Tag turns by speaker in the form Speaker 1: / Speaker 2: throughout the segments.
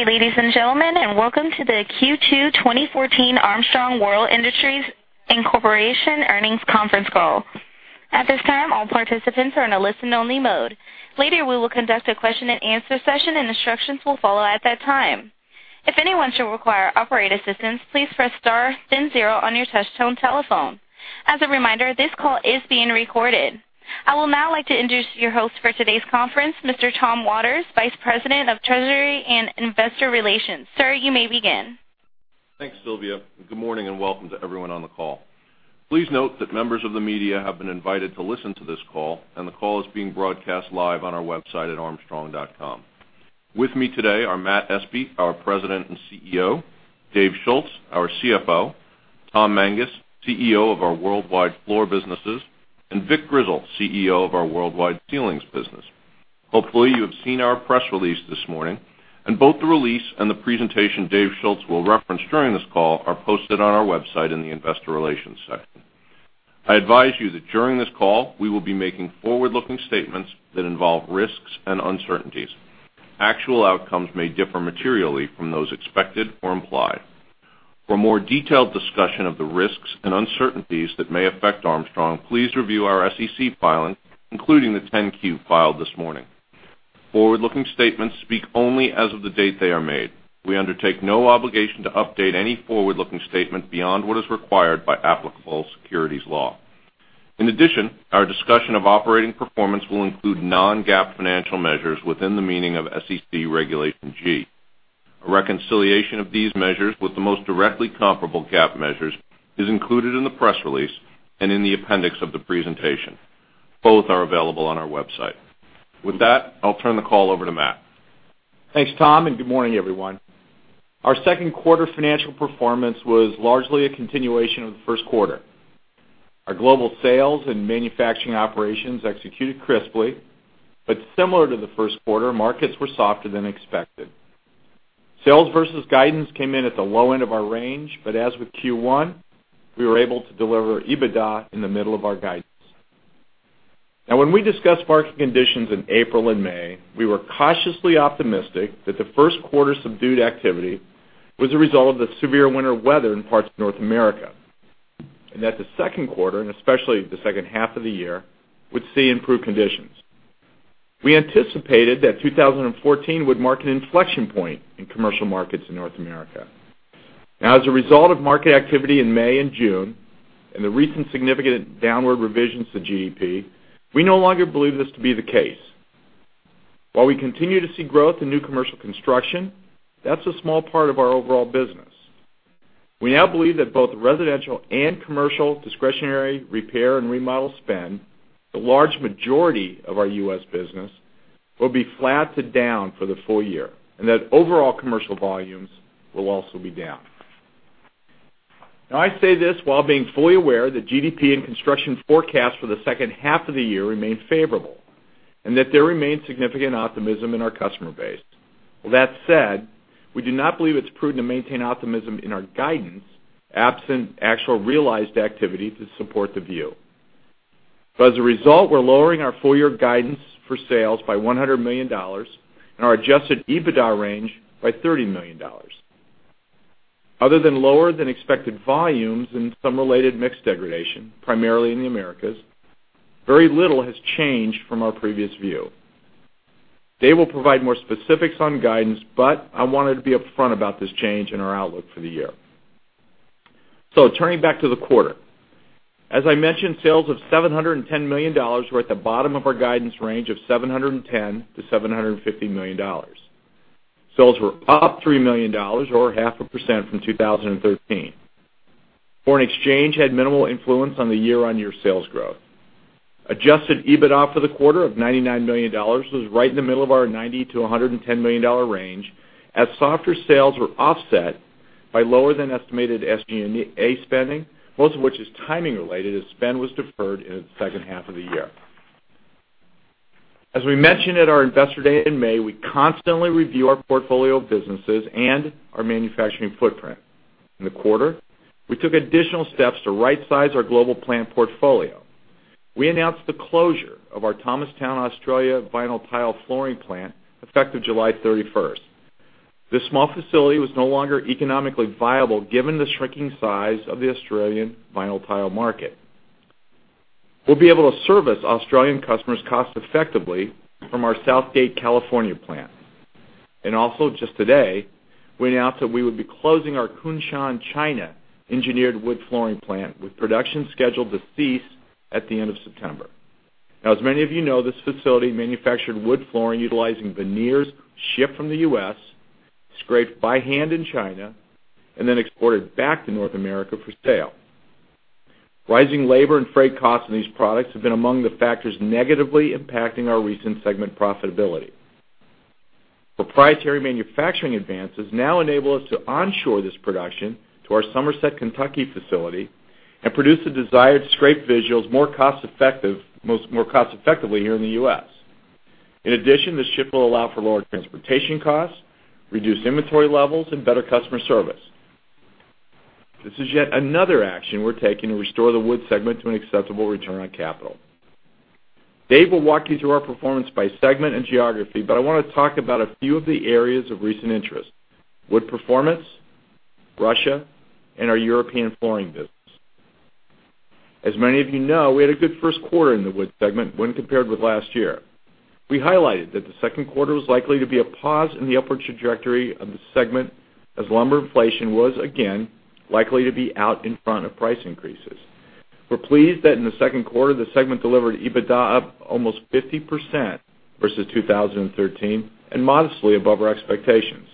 Speaker 1: Good day, ladies and gentlemen, and welcome to the Q2 2014 Armstrong World Industries Incorporation Earnings Conference Call. At this time, all participants are in a listen-only mode. Later, we will conduct a question and answer session, and instructions will follow at that time. If anyone should require operator assistance, please press star then zero on your touchtone telephone. As a reminder, this call is being recorded. I will now like to introduce your host for today's conference, Mr. Tom Waters, Vice President of Treasury and Investor Relations. Sir, you may begin.
Speaker 2: Thanks, Sylvia, good morning and welcome to everyone on the call. Please note that members of the media have been invited to listen to this call, and the call is being broadcast live on our website at armstrong.com. With me today are Matthew Espe, our President and CEO, Dave Schulz, our CFO, Tom Mangas, CEO of our worldwide floor businesses, Vic Grizzle, CEO of our worldwide ceilings business. Hopefully, you have seen our press release this morning, both the release and the presentation Dave Schulz will reference during this call are posted on our website in the investor relations section. I advise you that during this call, we will be making forward-looking statements that involve risks and uncertainties. Actual outcomes may differ materially from those expected or implied. For more detailed discussion of the risks and uncertainties that may affect Armstrong, please review our SEC filing, including the 10-Q filed this morning. Forward-looking statements speak only as of the date they are made. We undertake no obligation to update any forward-looking statement beyond what is required by applicable securities law. In addition, our discussion of operating performance will include non-GAAP financial measures within the meaning of SEC Regulation G. A reconciliation of these measures with the most directly comparable GAAP measures is included in the press release and in the appendix of the presentation. Both are available on our website. With that, I'll turn the call over to Matt.
Speaker 3: Thanks, Tom, good morning, everyone. Our second quarter financial performance was largely a continuation of the first quarter. Our global sales and manufacturing operations executed crisply, but similar to the first quarter, markets were softer than expected. Sales versus guidance came in at the low end of our range, but as with Q1, we were able to deliver EBITDA in the middle of our guidance. Now, when we discussed market conditions in April and May, we were cautiously optimistic that the first quarter subdued activity was a result of the severe winter weather in parts of North America, and that the second quarter, and especially the second half of the year, would see improved conditions. We anticipated that 2014 would mark an inflection point in commercial markets in North America. As a result of market activity in May and June and the recent significant downward revisions to GDP, we no longer believe this to be the case. While we continue to see growth in new commercial construction, that's a small part of our overall business. We now believe that both residential and commercial discretionary repair and remodel spend, the large majority of our U.S. business, will be flat to down for the full year, and that overall commercial volumes will also be down. I say this while being fully aware that GDP and construction forecasts for the second half of the year remain favorable and that there remains significant optimism in our customer base. We do not believe it's prudent to maintain optimism in our guidance absent actual realized activity to support the view. As a result, we're lowering our full-year guidance for sales by $100 million and our adjusted EBITDA range by $30 million. Other than lower than expected volumes and some related mix degradation, primarily in the Americas, very little has changed from our previous view. Dave will provide more specifics on guidance, but I wanted to be upfront about this change in our outlook for the year. Turning back to the quarter. As I mentioned, sales of $710 million were at the bottom of our guidance range of $710 million-$750 million. Sales were up $3 million or half a percent from 2013. Foreign exchange had minimal influence on the year-on-year sales growth. Adjusted EBITDA for the quarter of $99 million was right in the middle of our $90 million-$110 million range as softer sales were offset by lower than estimated SG&A spending, most of which is timing related, as spend was deferred in the second half of the year. As we mentioned at our investor day in May, we constantly review our portfolio of businesses and our manufacturing footprint. In the quarter, we took additional steps to rightsize our global plant portfolio. We announced the closure of our Thomastown, Australia, vinyl tile flooring plant effective July 31st. This small facility was no longer economically viable given the shrinking size of the Australian vinyl tile market. We'll be able to service Australian customers cost effectively from our South Gate, California, plant. Also just today, we announced that we would be closing our Kunshan, China, engineered wood flooring plant, with production scheduled to cease at the end of September. As many of you know, this facility manufactured wood flooring utilizing veneers shipped from the U.S., scraped by hand in China, and then exported back to North America for sale. Rising labor and freight costs in these products have been among the factors negatively impacting our recent segment profitability. Proprietary manufacturing advances now enable us to onshore this production to our Somerset, Kentucky, facility and produce the desired scraped visuals more cost effectively here in the U.S. In addition, this shift will allow for lower transportation costs, reduced inventory levels, and better customer service. This is yet another action we're taking to restore the wood segment to an acceptable return on capital. Dave will walk you through our performance by segment and geography. I want to talk about a few of the areas of recent interest, wood performance, Russia, and our European flooring business. As many of you know, we had a good first quarter in the wood segment when compared with last year. We highlighted that the second quarter was likely to be a pause in the upward trajectory of the segment, as lumber inflation was, again, likely to be out in front of price increases. We're pleased that in the second quarter, the segment delivered EBITDA up almost 50% versus 2013, and modestly above our expectations.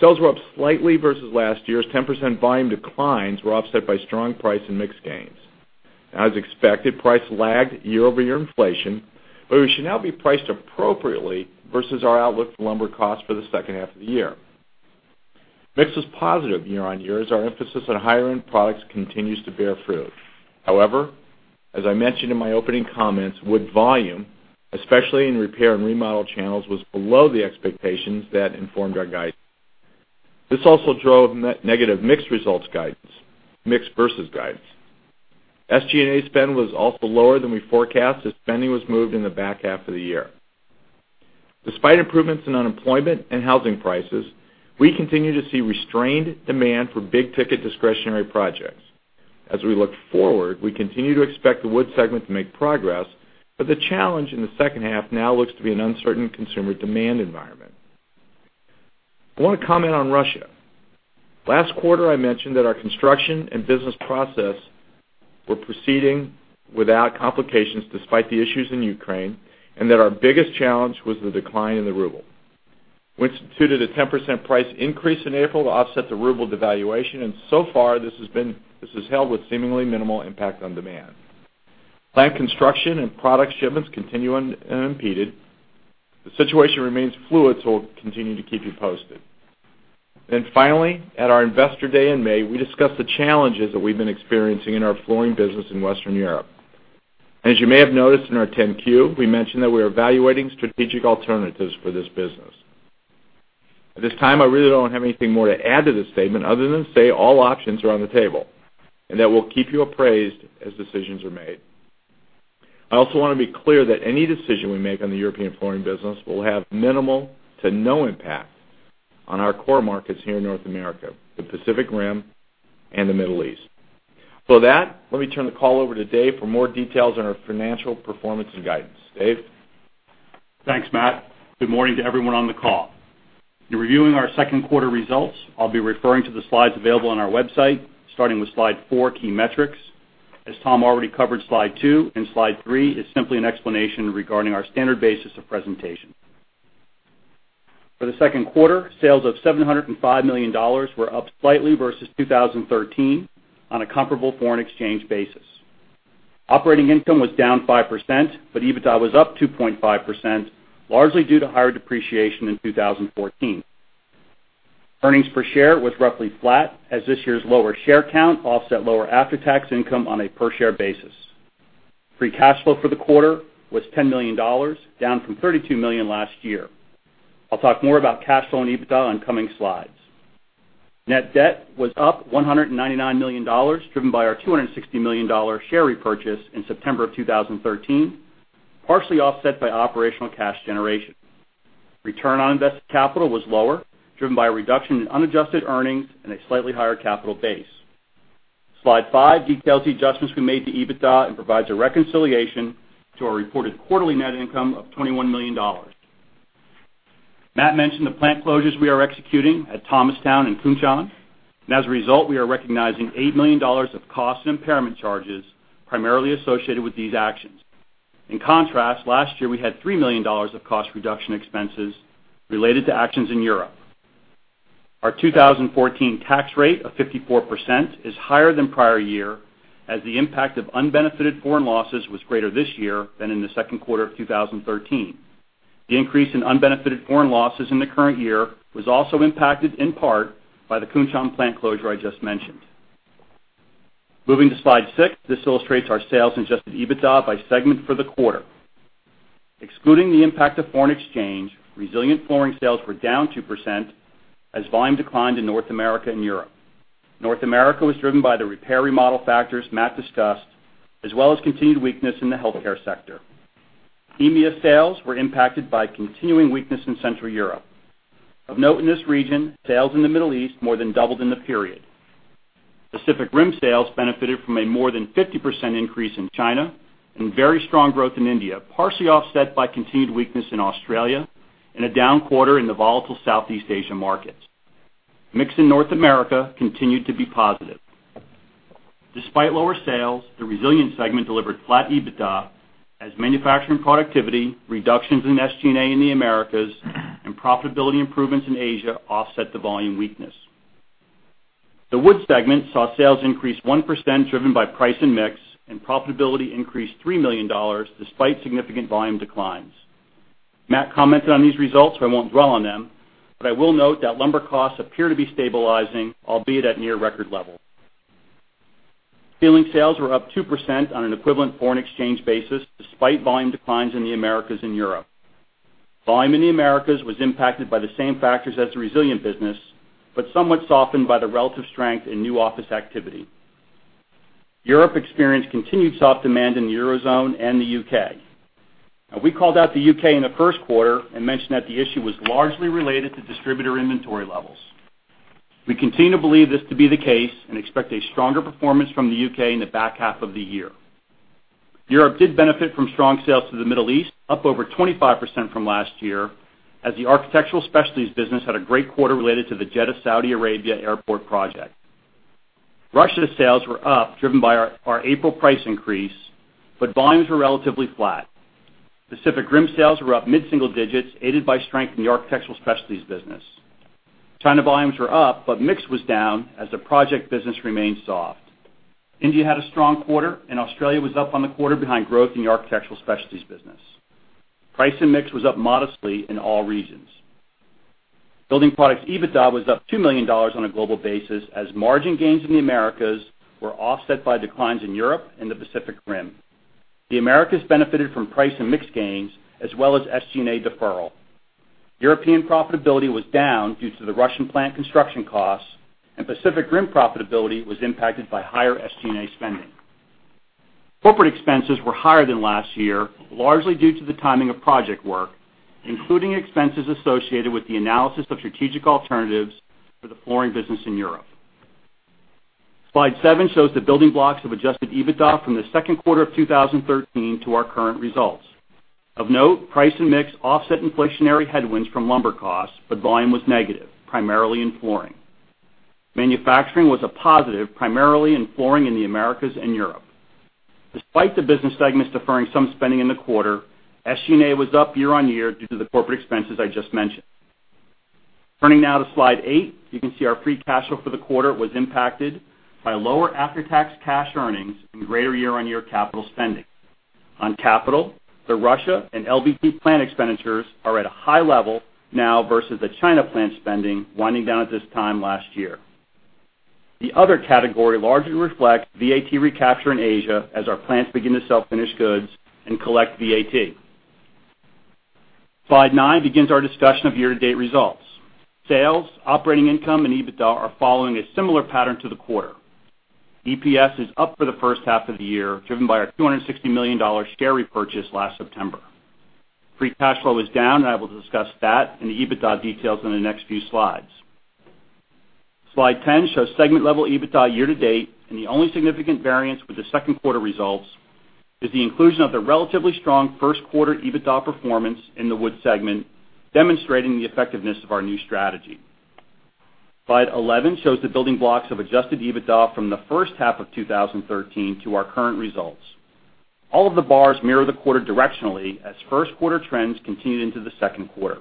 Speaker 3: Sales were up slightly versus last year, as 10% volume declines were offset by strong price and mix gains. As expected, price lagged year-over-year inflation. We should now be priced appropriately versus our outlook for lumber cost for the second half of the year. Mix was positive year-on-year as our emphasis on higher end products continues to bear fruit. As I mentioned in my opening comments, wood volume, especially in repair and remodel channels, was below the expectations that informed our guidance. This also drove negative mix versus guidance. SG&A spend was also lower than we forecast as spending was moved in the back half of the year. Despite improvements in unemployment and housing prices, we continue to see restrained demand for big-ticket discretionary projects. As we look forward, we continue to expect the wood segment to make progress, the challenge in the second half now looks to be an uncertain consumer demand environment. I want to comment on Russia. Last quarter, I mentioned that our construction and business process were proceeding without complications despite the issues in Ukraine, and that our biggest challenge was the decline in the ruble. We instituted a 10% price increase in April to offset the ruble devaluation, and so far, this has held with seemingly minimal impact on demand. Plant construction and product shipments continue unimpeded. The situation remains fluid, so we'll continue to keep you posted. Finally, at our investor day in May, we discussed the challenges that we've been experiencing in our flooring business in Western Europe. As you may have noticed in our 10-Q, we mentioned that we are evaluating strategic alternatives for this business. At this time, I really don't have anything more to add to this statement other than say all options are on the table, and that we'll keep you appraised as decisions are made. I also want to be clear that any decision we make on the European flooring business will have minimal to no impact on our core markets here in North America, the Pacific Rim, and the Middle East. For that, let me turn the call over to Dave for more details on our financial performance and guidance. Dave?
Speaker 4: Thanks, Matt. Good morning to everyone on the call. In reviewing our second quarter results, I'll be referring to the slides available on our website, starting with slide four, key metrics. As Tom already covered slide two and slide three, it's simply an explanation regarding our standard basis of presentation. For the second quarter, sales of $705 million were up slightly versus 2013 on a comparable foreign exchange basis. Operating income was down 5%, but EBITDA was up 2.5%, largely due to higher depreciation in 2014. Earnings per share was roughly flat as this year's lower share count offset lower after-tax income on a per share basis. Free cash flow for the quarter was $10 million, down from $32 million last year. I'll talk more about cash flow and EBITDA on coming slides. Net debt was up $199 million, driven by our $260 million share repurchase in September of 2013, partially offset by operational cash generation. Return on invested capital was lower, driven by a reduction in unadjusted earnings and a slightly higher capital base. Slide five details the adjustments we made to EBITDA and provides a reconciliation to our reported quarterly net income of $21 million. Matt mentioned the plant closures we are executing at Thomastown and Kunshan, and as a result, we are recognizing $8 million of cost and impairment charges primarily associated with these actions. In contrast, last year, we had $3 million of cost reduction expenses related to actions in Europe. Our 2014 tax rate of 54% is higher than prior year as the impact of unbenefited foreign losses was greater this year than in the second quarter of 2013. The increase in unbenefited foreign losses in the current year was also impacted in part by the Kunshan plant closure I just mentioned. Moving to slide six, this illustrates our sales and adjusted EBITDA by segment for the quarter. Excluding the impact of foreign exchange, resilient flooring sales were down 2% as volume declined in North America and Europe. North America was driven by the repair remodel factors Matt discussed, as well as continued weakness in the healthcare sector. EMEA sales were impacted by continuing weakness in Central Europe. Of note in this region, sales in the Middle East more than doubled in the period. Pacific Rim sales benefited from a more than 50% increase in China and very strong growth in India, partially offset by continued weakness in Australia and a down quarter in the volatile Southeast Asia markets. Mix in North America continued to be positive. Despite lower sales, the resilient segment delivered flat EBITDA as manufacturing productivity, reductions in SG&A in the Americas, and profitability improvements in Asia offset the volume weakness. The wood segment saw sales increase 1% driven by price and mix, and profitability increased $3 million despite significant volume declines. Matt commented on these results, so I won't dwell on them, but I will note that lumber costs appear to be stabilizing, albeit at near record level. Ceiling sales were up 2% on an equivalent foreign exchange basis, despite volume declines in the Americas and Europe. Volume in the Americas was impacted by the same factors as the resilient business, but somewhat softened by the relative strength in new office activity. Europe experienced continued soft demand in the Eurozone and the U.K. We called out the U.K. in the first quarter and mentioned that the issue was largely related to distributor inventory levels. We continue to believe this to be the case and expect a stronger performance from the U.K. in the back half of the year. Europe did benefit from strong sales to the Middle East, up over 25% from last year, as the Architectural Specialties business had a great quarter related to the Jeddah, Saudi Arabia airport project. Russia sales were up, driven by our April price increase, but volumes were relatively flat. Pacific Rim sales were up mid-single digits, aided by strength in the Architectural Specialties business. China volumes were up, but mix was down as the project business remained soft. India had a strong quarter, and Australia was up on the quarter behind growth in the Architectural Specialties business. Price and mix was up modestly in all regions. Building products EBITDA was up $2 million on a global basis as margin gains in the Americas were offset by declines in Europe and the Pacific Rim. The Americas benefited from price and mix gains as well as SG&A deferral. European profitability was down due to the Russian plant construction costs, and Pacific Rim profitability was impacted by higher SG&A spending. Corporate expenses were higher than last year, largely due to the timing of project work, including expenses associated with the analysis of strategic alternatives for the flooring business in Europe. Slide seven shows the building blocks of adjusted EBITDA from the second quarter of 2013 to our current results. Of note, price and mix offset inflationary headwinds from lumber costs, but volume was negative, primarily in flooring. Manufacturing was a positive, primarily in flooring in the Americas and Europe. Despite the business segments deferring some spending in the quarter, SG&A was up year-over-year due to the corporate expenses I just mentioned. Turning now to slide eight, you can see our free cash flow for the quarter was impacted by lower after-tax cash earnings and greater year-over-year capital spending. On capital, the Russia and LBP plant expenditures are at a high level now versus the China plant spending winding down at this time last year. The other category largely reflects VAT recapture in Asia as our plants begin to sell finished goods and collect VAT. Slide nine begins our discussion of year-to-date results. Sales, operating income, and EBITDA are following a similar pattern to the quarter. EPS is up for the first half of the year, driven by our $260 million share repurchase last September. Free cash flow is down. I will discuss that and the EBITDA details in the next few slides. Slide 10 shows segment-level EBITDA year to date, and the only significant variance with the second quarter results is the inclusion of the relatively strong first quarter EBITDA performance in the wood segment, demonstrating the effectiveness of our new strategy. Slide 11 shows the building blocks of adjusted EBITDA from the first half of 2013 to our current results. All of the bars mirror the quarter directionally as first quarter trends continued into the second quarter.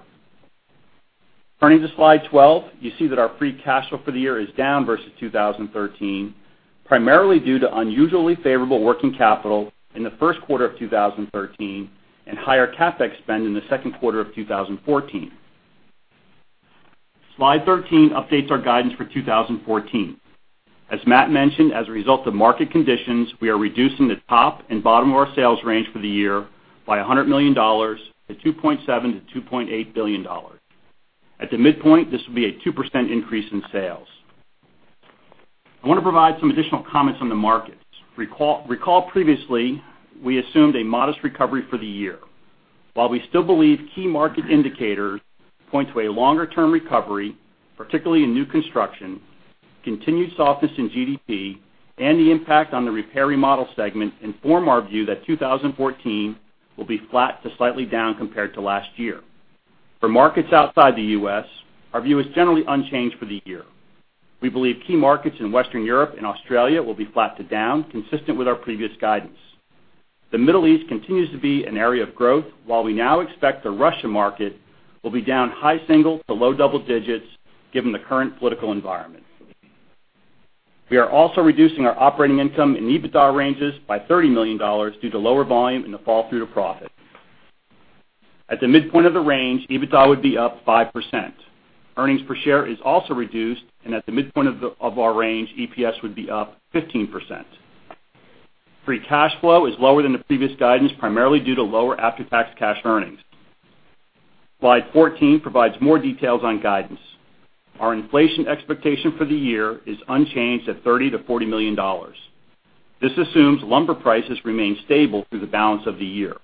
Speaker 4: Turning to slide 12, you see that our free cash flow for the year is down versus 2013, primarily due to unusually favorable working capital in the first quarter of 2013 and higher CapEx spend in the second quarter of 2014. Slide 13 updates our guidance for 2014. As Matt mentioned, as a result of market conditions, we are reducing the top and bottom of our sales range for the year by $100 million to $2.7 billion-$2.8 billion. At the midpoint, this will be a 2% increase in sales. I want to provide some additional comments on the markets. Recall previously, we assumed a modest recovery for the year. While we still believe key market indicators point to a longer-term recovery, particularly in new construction, continued softness in GDP, and the impact on the repair remodel segment inform our view that 2014 will be flat to slightly down compared to last year. For markets outside the U.S., our view is generally unchanged for the year. We believe key markets in Western Europe and Australia will be flat to down, consistent with our previous guidance. The Middle East continues to be an area of growth, while we now expect the Russia market will be down high single to low double digits given the current political environment. We are also reducing our operating income and EBITDA ranges by $30 million due to lower volume and the fall through to profit. At the midpoint of the range, EBITDA would be up 5%. Earnings per share is also reduced, and at the midpoint of our range, EPS would be up 15%. Free cash flow is lower than the previous guidance, primarily due to lower after-tax cash earnings. Slide 14 provides more details on guidance. Our inflation expectation for the year is unchanged at $30 million-$40 million. This assumes lumber prices remain stable through the balance of the year.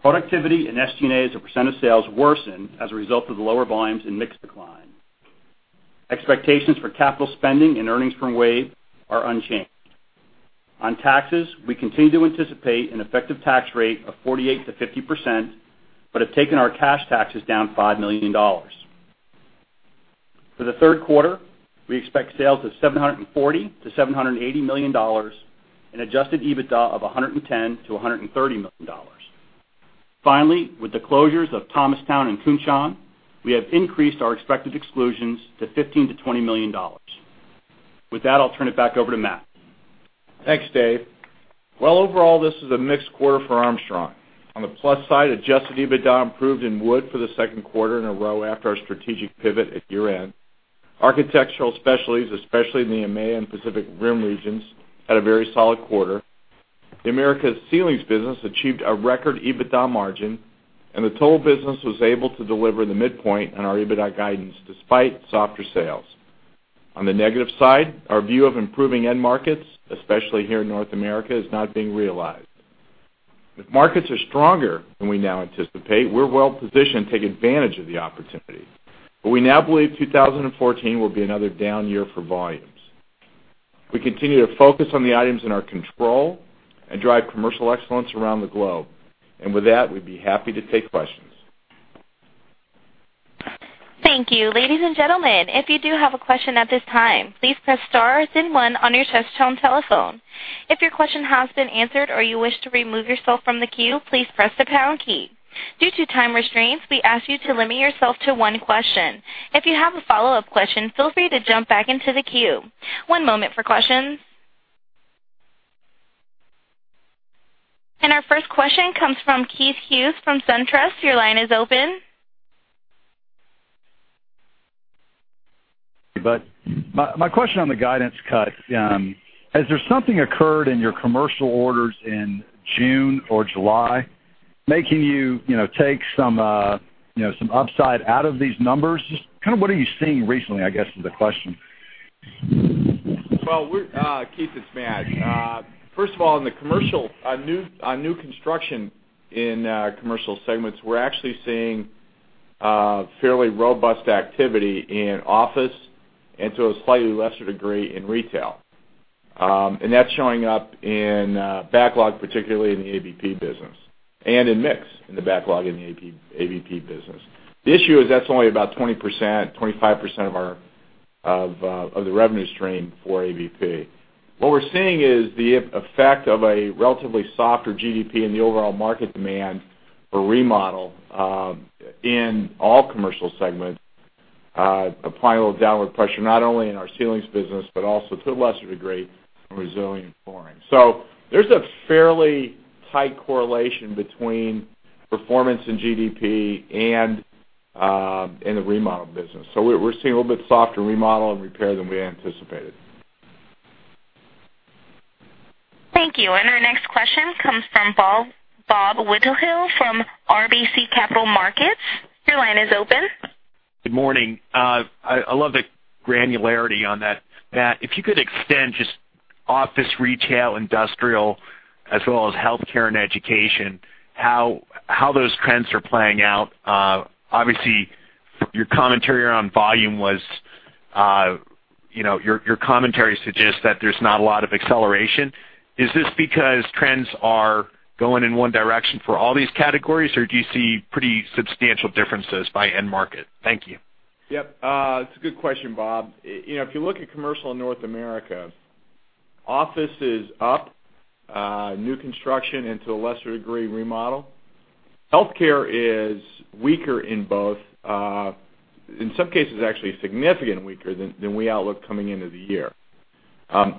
Speaker 4: Productivity and SG&A as a % of sales worsen as a result of the lower volumes and mix decline. Expectations for capital spending and earnings from WAVE are unchanged. On taxes, we continue to anticipate an effective tax rate of 48%-50% but have taken our cash taxes down $5 million. For the third quarter, we expect sales of $740 million-$780 million and adjusted EBITDA of $110 million-$130 million. Finally, with the closures of Thomastown and Kunshan, we have increased our expected exclusions to $15 million-$20 million. With that, I'll turn it back over to Matt.
Speaker 3: Thanks, Dave Overall, this is a mixed quarter for Armstrong. On the plus side, adjusted EBITDA improved in Wood for the second quarter in a row after our strategic pivot at year-end. Architectural Specialties, especially in the EMEA and Pacific Rim regions, had a very solid quarter. The Americas Ceilings business achieved a record EBITDA margin, and the Toll business was able to deliver the midpoint on our EBITDA guidance despite softer sales. On the negative side, our view of improving end markets, especially here in North America, is not being realized. If markets are stronger than we now anticipate, we're well positioned to take advantage of the opportunity. We now believe 2014 will be another down year for volumes. We continue to focus on the items in our control and drive commercial excellence around the globe. With that, we'd be happy to take questions.
Speaker 1: Thank you. Ladies and gentlemen, if you do have a question at this time, please press star then one on your touchtone telephone. If your question has been answered or you wish to remove yourself from the queue, please press the pound key. Due to time restraints, we ask you to limit yourself to one question. If you have a follow-up question, feel free to jump back into the queue. One moment for questions. Our first question comes from Keith Hughes from SunTrust. Your line is open.
Speaker 5: My question on the guidance cut, has there something occurred in your commercial orders in June or July making you take some upside out of these numbers? Just what are you seeing recently, I guess is the question.
Speaker 3: Keith, it's Matt. First of all, on new construction in commercial segments, we're actually seeing fairly robust activity in office and to a slightly lesser degree in retail. That's showing up in backlog, particularly in the ABP business and in mix in the backlog in the ABP business. The issue is that's only about 20%-25% of the revenue stream for ABP. What we're seeing is the effect of a relatively softer GDP in the overall market demand for remodel in all commercial segments applying a little downward pressure, not only in our ceilings business, but also to a lesser degree in resilient flooring. There's a fairly tight correlation between performance and GDP and in the remodel business. We're seeing a little bit softer remodel and repair than we anticipated.
Speaker 1: Thank you. Our next question comes from Robert Wetenhall from RBC Capital Markets. Your line is open.
Speaker 6: Good morning. I love the granularity on that. Matt, if you could extend just office, retail, industrial, as well as healthcare and education, how those trends are playing out. Obviously, your commentary suggests that there's not a lot of acceleration. Is this because trends are going in one direction for all these categories, or do you see pretty substantial differences by end market? Thank you.
Speaker 3: Yep. It's a good question, Bob. If you look at commercial in North America, office is up, new construction and to a lesser degree, remodel. Healthcare is weaker in both. In some cases, actually significantly weaker than we outlook coming into the year.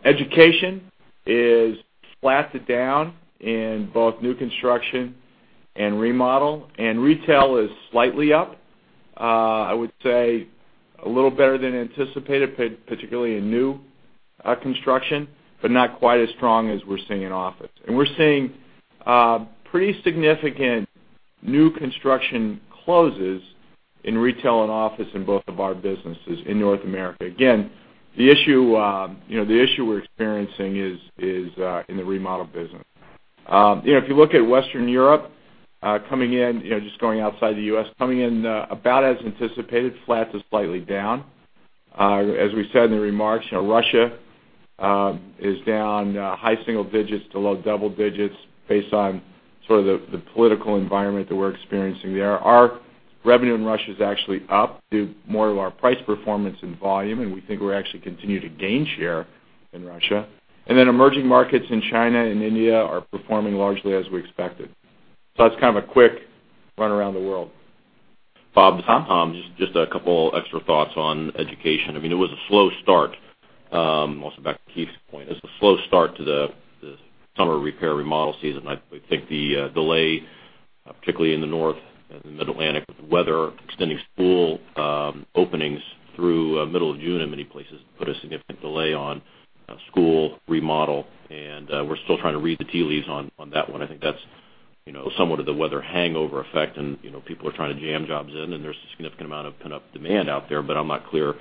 Speaker 3: Education is flat to down in both new construction and remodel, retail is slightly up. I would say a little better than anticipated, particularly in new construction, but not quite as strong as we're seeing in office. We're seeing pretty significant new construction closes in retail and office in both of our businesses in North America. Again, the issue we're experiencing is in the remodel business. If you look at Western Europe coming in, just going outside the U.S., coming in about as anticipated, flat to slightly down. As we said in the remarks, Russia is down high single digits to low double digits based on sort of the political environment that we're experiencing there. Our revenue in Russia is actually up due more to our price performance and volume, we think we actually continue to gain share in Russia. Emerging markets in China and India are performing largely as we expected. That's kind of a quick run around the world.
Speaker 7: Bob, it's Tom.
Speaker 6: Tom.
Speaker 7: Just a couple extra thoughts on education. It was a slow start. Also back to Keith Hughes' point, it was a slow start to the summer repair, remodel season. I think the delay, particularly in the North and the Middle Atlantic with the weather extending school openings through middle of June in many places, put a significant delay on school remodel, and we're still trying to read the tea leaves on that one. I think that's somewhat of the weather hangover effect and people are trying to jam jobs in, and there's a significant amount of pent-up demand out there, but I'm not clear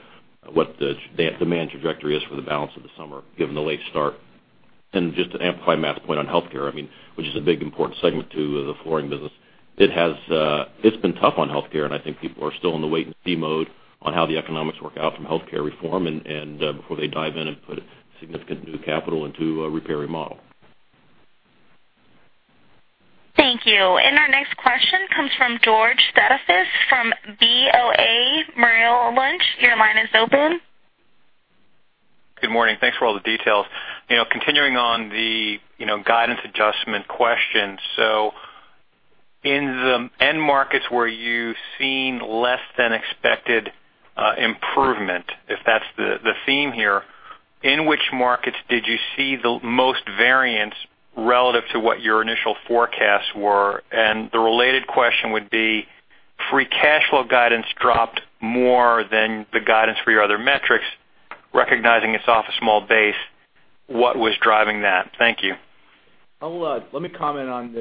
Speaker 7: what the demand trajectory is for the balance of the summer, given the late start. Just to amplify Matthew Espe's point on healthcare, which is a big important segment to the flooring business. It's been tough on healthcare, I think people are still in the wait and see mode on how the economics work out from healthcare reform and before they dive in and put significant new capital into repair, remodel.
Speaker 1: Thank you. Our next question comes from George Staphos from Bank of America Merrill Lynch. Your line is open.
Speaker 8: Good morning. Thanks for all the details. Continuing on the guidance adjustment question, In the end markets where you've seen less than expected improvement, if that's the theme here, in which markets did you see the most variance relative to what your initial forecasts were? The related question would be, free cash flow guidance dropped more than the guidance for your other metrics. Recognizing it's off a small base, what was driving that? Thank you.
Speaker 3: Let me comment on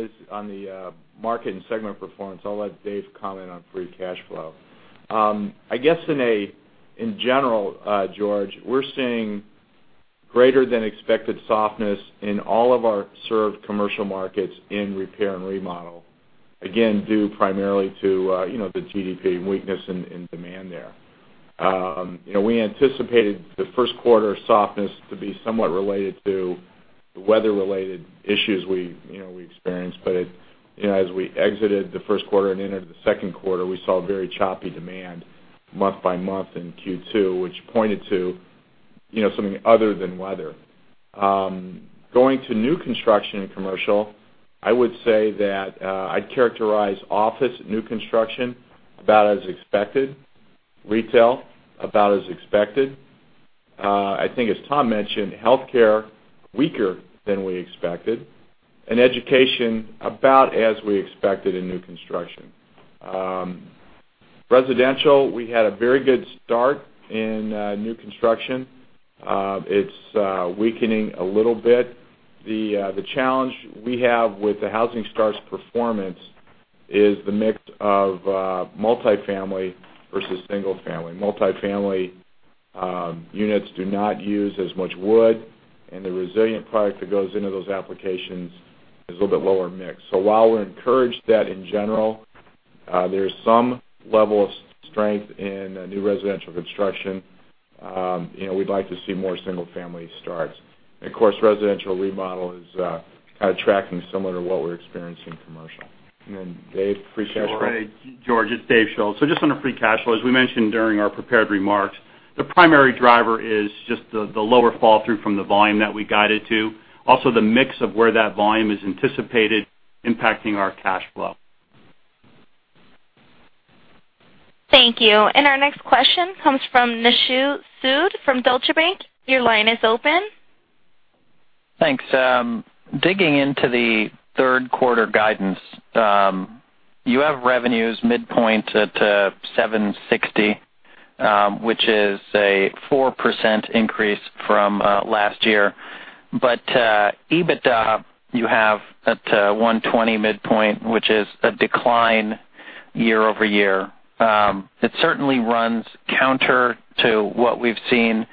Speaker 3: the market and segment performance. I'll let Dave comment on free cash flow. I guess in general, George, we're seeing greater than expected softness in all of our served commercial markets in repair and remodel. Due primarily to the GDP weakness in demand there. We anticipated the first quarter softness to be somewhat related to the weather-related issues we experienced, but as we exited the first quarter and entered the second quarter, we saw very choppy demand month by month in Q2, which pointed to something other than weather. Going to new construction in commercial, I would say that I'd characterize office new construction about as expected. Retail, about as expected. I think as Tom mentioned, healthcare, weaker than we expected, and education, about as we expected in new construction. Residential, we had a very good start in new construction. It's weakening a little bit. The challenge we have with the housing starts performance is the mix of multi-family versus single family. Multi-family units do not use as much wood, and the resilient product that goes into those applications is a little bit lower mix. While we're encouraged that in general, there's some level of strength in new residential construction, we'd like to see more single-family starts. Of course, residential remodel is kind of tracking similar to what we're experiencing in commercial. Then Dave, free cash flow?
Speaker 4: Sure. Hey, George, it's David Schulz. Just on the free cash flow, as we mentioned during our prepared remarks, the primary driver is just the lower fall through from the volume that we guided to. Also, the mix of where that volume is anticipated impacting our cash flow.
Speaker 1: Thank you. Our next question comes from Nishu Sood from Deutsche Bank. Your line is open.
Speaker 9: Thanks. Digging into the third quarter guidance. You have revenues midpoint at $760, which is a 4% increase from last year. EBITDA you have at $120 midpoint, which is a decline year-over-year. It certainly runs counter to what we've seen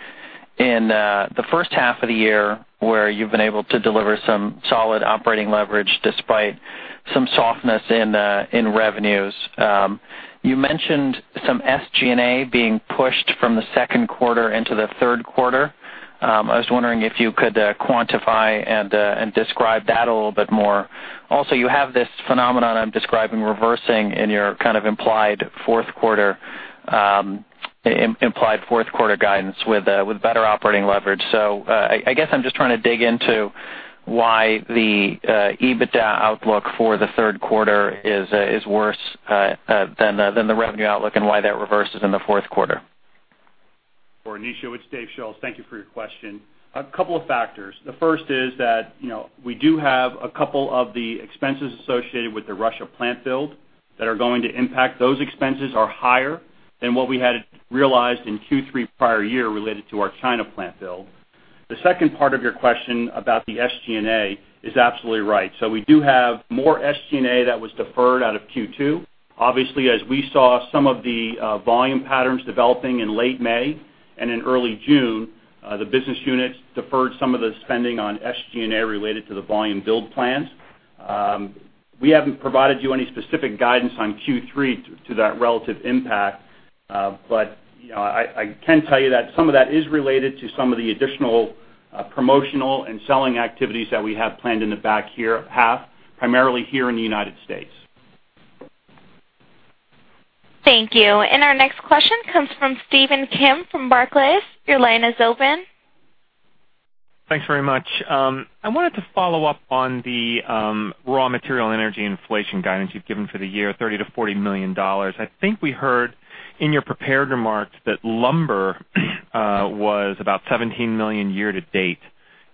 Speaker 9: in the first half of the year, where you've been able to deliver some solid operating leverage despite some softness in revenues. You mentioned some SG&A being pushed from the second quarter into the third quarter. I was wondering if you could quantify and describe that a little bit more. Also, you have this phenomenon I'm describing reversing in your kind of implied fourth quarter guidance with better operating leverage. I guess I'm just trying to dig into why the EBITDA outlook for the third quarter is worse than the revenue outlook and why that reverses in the fourth quarter.
Speaker 4: Sure, Nishu, it's David Schulz. Thank you for your question. A couple of factors. The first is that we do have a couple of the expenses associated with the Russia plant build that are going to impact. Those expenses are higher than what we had realized in Q3 prior year related to our China plant build. The second part of your question about the SG&A is absolutely right. We do have more SG&A that was deferred out of Q2. Obviously, as we saw some of the volume patterns developing in late May and in early June, the business units deferred some of the spending on SG&A related to the volume build plans. We haven't provided you any specific guidance on Q3 to that relative impact. I can tell you that some of that is related to some of the additional promotional and selling activities that we have planned in the back half, primarily here in the United States.
Speaker 1: Thank you. Our next question comes from Stephen Kim from Barclays. Your line is open.
Speaker 10: Thanks very much. I wanted to follow up on the raw material energy inflation guidance you've given for the year, $30 million to $40 million. I think we heard in your prepared remarks that lumber was about $17 million year to date.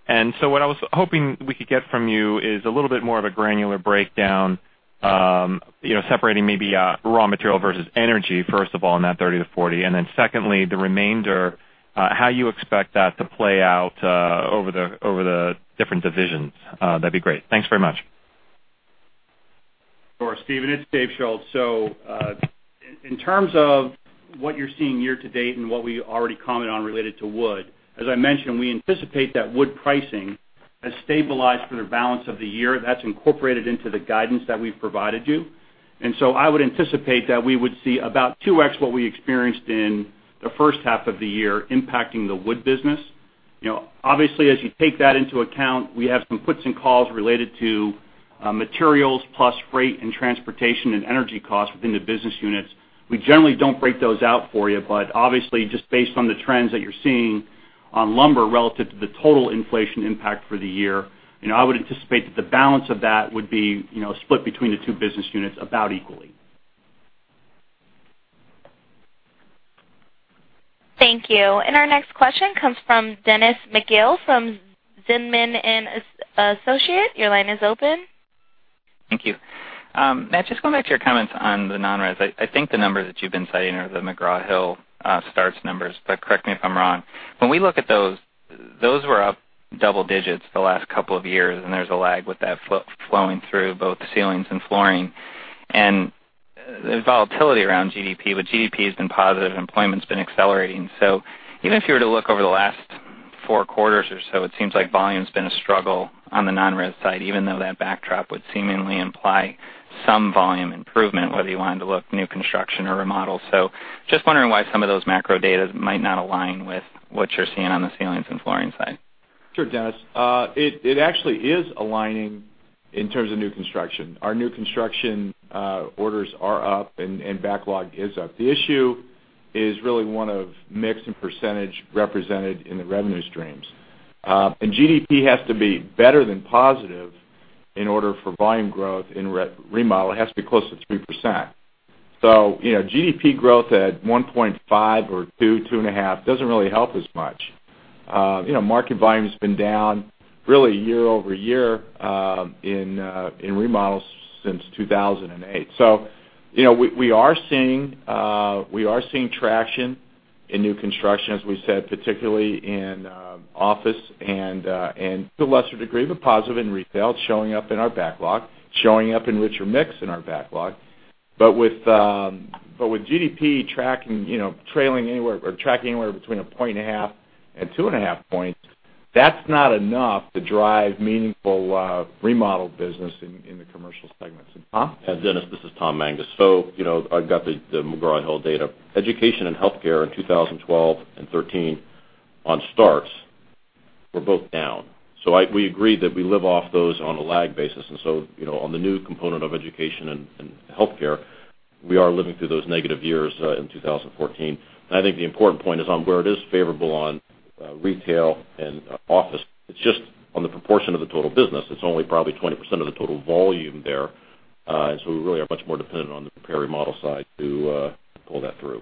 Speaker 10: What I was hoping we could get from you is a little bit more of a granular breakdown, separating maybe raw material versus energy, first of all, in that 30 to 40. Secondly, the remainder, how you expect that to play out over the different divisions. That'd be great. Thanks very much.
Speaker 4: Sure, Stephen, it's David Schulz. In terms of what you're seeing year to date and what we already commented on related to wood, as I mentioned, we anticipate that wood pricing has stabilized for the balance of the year. That's incorporated into the guidance that we've provided you. I would anticipate that we would see about 2X what we experienced in the first half of the year impacting the wood business. Obviously, as you take that into account, we have some puts and calls related to materials plus freight and transportation and energy costs within the business units. We generally don't break those out for you, but obviously, just based on the trends that you're seeing On lumber relative to the total inflation impact for the year, I would anticipate that the balance of that would be split between the two business units about equally.
Speaker 1: Thank you. Our next question comes from Dennis McGill from Zelman & Associates, your line is open.
Speaker 11: Thank you. Matt, just going back to your comments on the non-res. I think the numbers that you've been citing are the McGraw Hill starts numbers, but correct me if I'm wrong. When we look at those were up double digits the last couple of years, there's a lag with that flowing through both ceilings and flooring. The volatility around GDP, but GDP has been positive, employment's been accelerating. Even if you were to look over the last four quarters or so, it seems like volume's been a struggle on the non-res side, even though that backdrop would seemingly imply some volume improvement, whether you wanted to look new construction or remodel. Just wondering why some of those macro datas might not align with what you're seeing on the ceilings and flooring side.
Speaker 3: Sure, Dennis. It actually is aligning in terms of new construction. Our new construction orders are up and backlog is up. The issue is really one of mix and percentage represented in the revenue streams. GDP has to be better than positive in order for volume growth in remodel. It has to be close to 3%. GDP growth at 1.5 or 2.5 doesn't really help as much. Market volume's been down really year-over-year in remodels since 2008. We are seeing traction in new construction, as we said, particularly in office and to a lesser degree, but positive in retail. It's showing up in our backlog, showing up in richer mix in our backlog. With GDP tracking anywhere between a point and a half and two and a half points, that's not enough to drive meaningful remodel business in the commercial segments. Tom?
Speaker 7: Dennis, this is Thomas Mangas. I've got the McGraw Hill data. Education and healthcare in 2012 and 2013 on starts were both down. We agreed that we live off those on a lag basis. On the new component of education and healthcare, we are living through those negative years in 2014. I think the important point is on where it is favorable on retail and office. It's just on the proportion of the total business. It's only probably 20% of the total volume there. We really are much more dependent on the repair, remodel side to pull that through.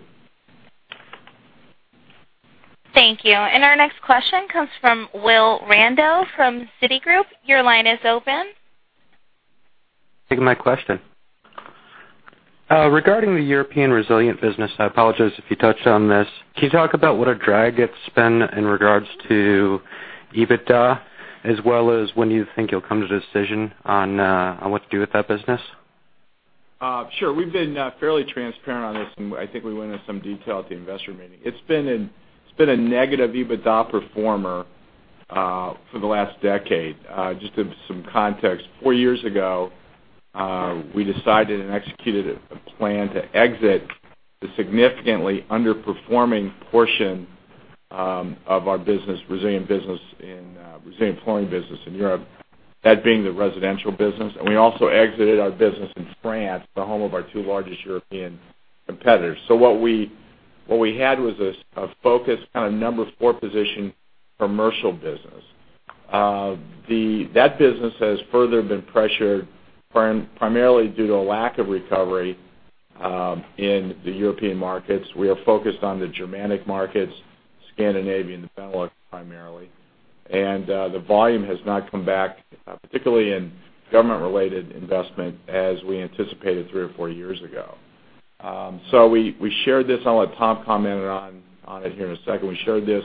Speaker 1: Thank you. Our next question comes from Willy Randow from Citigroup. Your line is open.
Speaker 12: Thank you. My question. Regarding the European resilient business, I apologize if you touched on this. Can you talk about what a drag it's been in regards to EBITDA, as well as when you think you'll come to decision on what to do with that business?
Speaker 3: Sure. We've been fairly transparent on this, I think we went into some detail at the investor meeting. It's been a negative EBITDA performer for the last decade. Just give some context. Four years ago, we decided and executed a plan to exit the significantly underperforming portion of our resilient flooring business in Europe, that being the residential business. We also exited our business in France, the home of our two largest European competitors. What we had was a focused kind of number 4 position commercial business. That business has further been pressured primarily due to a lack of recovery in the European markets. We are focused on the Germanic markets, Scandinavia, and the Benelux primarily. The volume has not come back, particularly in government-related investment as we anticipated three or four years ago. We shared this, and I'll let Tom comment on it here in a second. We shared this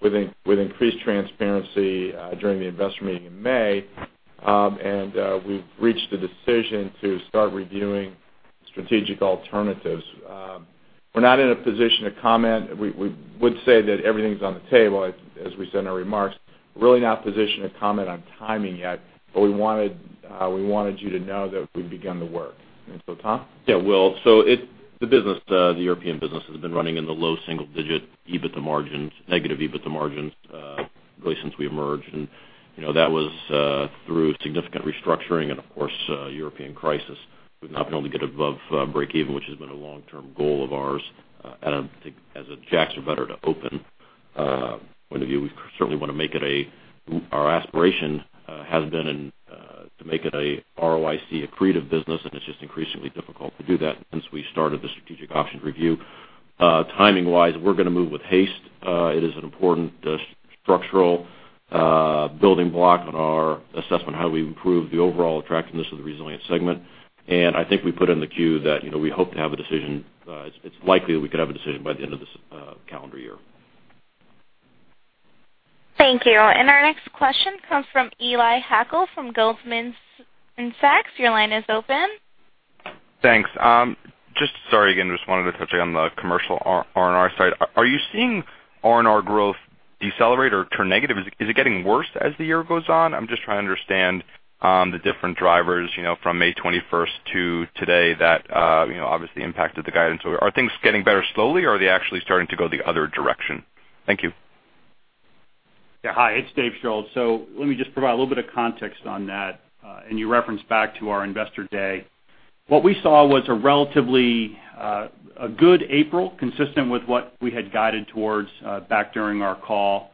Speaker 3: with increased transparency during the investor meeting in May. We've reached a decision to start reviewing strategic alternatives. We are not in a position to comment. We would say that everything is on the table, as we said in our remarks. We are really not in a position to comment on timing yet, but we wanted you to know that we have begun the work. Tom?
Speaker 7: Willy. The European business has been running in the low single-digit negative EBITDA margins, really since we emerged. That was through significant restructuring and of course, European crisis. We have not been able to get above breakeven, which has been a long-term goal of ours. I think as jacks or better to open point of view, we certainly want to make it our aspiration has been to make it a ROIC accretive business, and it is just increasingly difficult to do that since we started the strategic options review. Timing-wise, we are going to move with haste. It is an important structural building block on our assessment, how do we improve the overall attractiveness of the resilient segment. I think we put in the 10-Q that we hope to have a decision. It is likely that we could have a decision by the end of this calendar year.
Speaker 1: Thank you. Our next question comes from Eli Hackel from Goldman Sachs. Your line is open.
Speaker 13: Thanks. Sorry again, just wanted to touch on the commercial R&R side. Are you seeing R&R growth decelerate or turn negative? Is it getting worse as the year goes on? I am just trying to understand the different drivers from May 21st to today that obviously impacted the guidance. Are things getting better slowly, or are they actually starting to go the other direction? Thank you.
Speaker 4: Hi. It's David Schulz. Let me just provide a little bit of context on that, and you referenced back to our investor day. What we saw was a relatively good April, consistent with what we had guided towards back during our call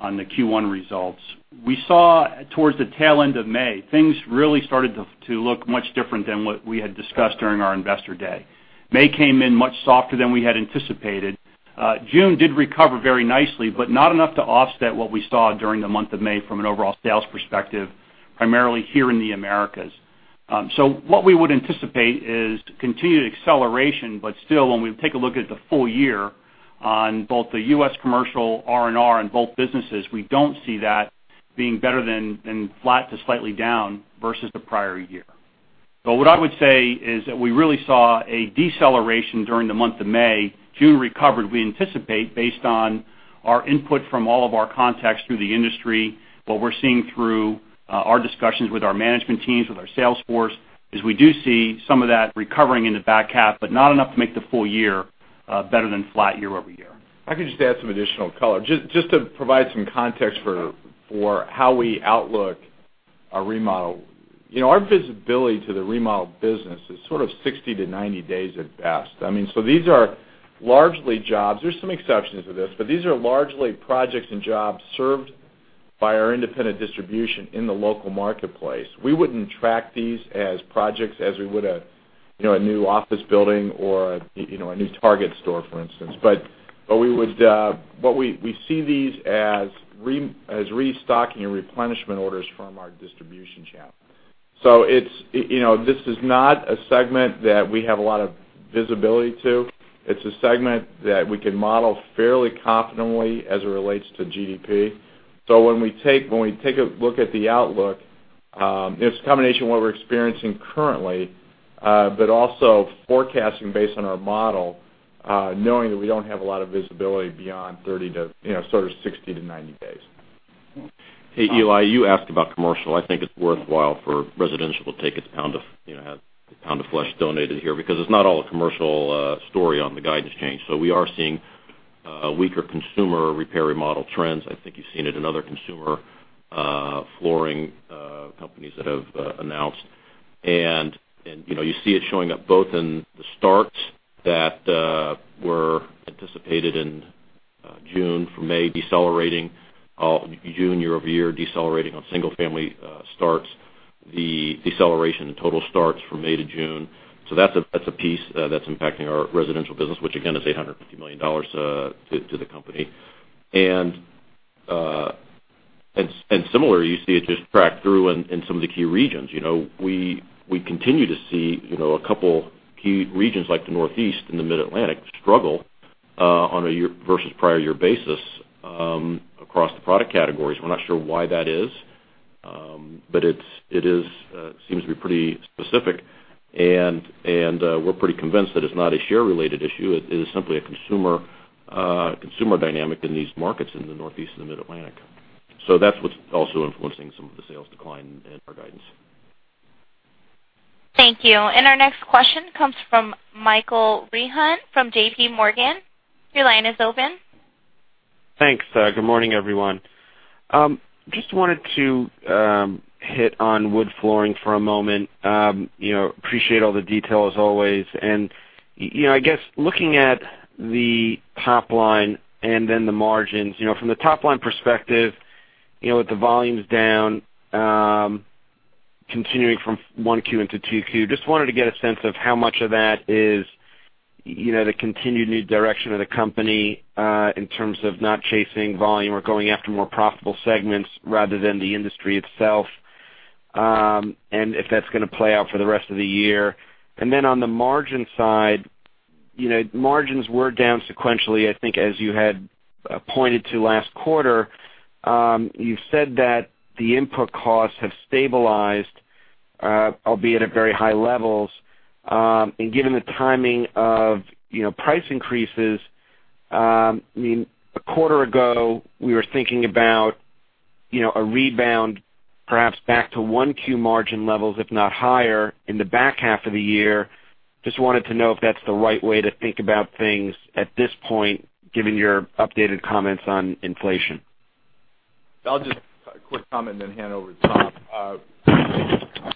Speaker 4: on the Q1 results. We saw towards the tail end of May, things really started to look much different than what we had discussed during our investor day. May came in much softer than we had anticipated. June did recover very nicely, but not enough to offset what we saw during the month of May from an overall sales perspective, primarily here in the Americas. What we would anticipate is continued acceleration, but still, when we take a look at the full year on both the U.S. commercial R&R and both businesses, we don't see that being better than flat to slightly down versus the prior year. What I would say is that we really saw a deceleration during the month of May. June recovered, we anticipate, based on our input from all of our contacts through the industry. What we're seeing through our discussions with our management teams, with our sales force, is we do see some of that recovering in the back half, but not enough to make the full year better than flat year-over-year.
Speaker 3: If I could just add some additional color. Just to provide some context for how we outlook our remodel. Our visibility to the remodel business is sort of 60 to 90 days at best. There's some exceptions to this, but these are largely projects and jobs served by our independent distribution in the local marketplace. We wouldn't track these as projects as we would a new office building or a new Target store, for instance. We see these as restocking and replenishment orders from our distribution channel. This is not a segment that we have a lot of visibility to. It's a segment that we can model fairly confidently as it relates to GDP. When we take a look at the outlook, it's a combination of what we're experiencing currently, but also forecasting based on our model, knowing that we don't have a lot of visibility beyond sort of 60 to 90 days.
Speaker 7: Hey, Eli, you asked about commercial. I think it's worthwhile for residential to take its pound of flesh donated here, because it's not all a commercial story on the guidance change. We are seeing weaker consumer repair, remodel trends. I think you've seen it in other consumer flooring companies that have announced. You see it showing up both in the starts that were anticipated in June from May decelerating, June year-over-year decelerating on single-family starts, the deceleration in total starts from May to June. That's a piece that's impacting our residential business, which again, is $850 million to the company. Similar, you see it just track through in some of the key regions. We continue to see a couple key regions like the Northeast and the Mid-Atlantic struggle on a versus prior year basis across the product categories. We're not sure why that is, but it seems to be pretty specific, and we're pretty convinced that it's not a share-related issue. It is simply a consumer dynamic in these markets in the Northeast and the Mid-Atlantic. That's what's also influencing some of the sales decline in our guidance.
Speaker 1: Thank you. Our next question comes from Michael Rehaut from J.P. Morgan. Your line is open.
Speaker 14: Thanks. Good morning, everyone. Just wanted to hit on wood flooring for a moment. Appreciate all the detail, as always. I guess looking at the top-line and then the margins, from the top-line perspective, with the volumes down continuing from 1Q into 2Q, just wanted to get a sense of how much of that is the continued new direction of the company in terms of not chasing volume or going after more profitable segments rather than the industry itself, and if that's going to play out for the rest of the year. Then on the margin side, margins were down sequentially, I think, as you had pointed to last quarter. You said that the input costs have stabilized, albeit at very high levels. Given the timing of price increases, a quarter ago, we were thinking about a rebound perhaps back to 1Q margin levels, if not higher, in the back half of the year. Just wanted to know if that's the right way to think about things at this point, given your updated comments on inflation.
Speaker 3: I'll just quick comment and then hand over to Tom.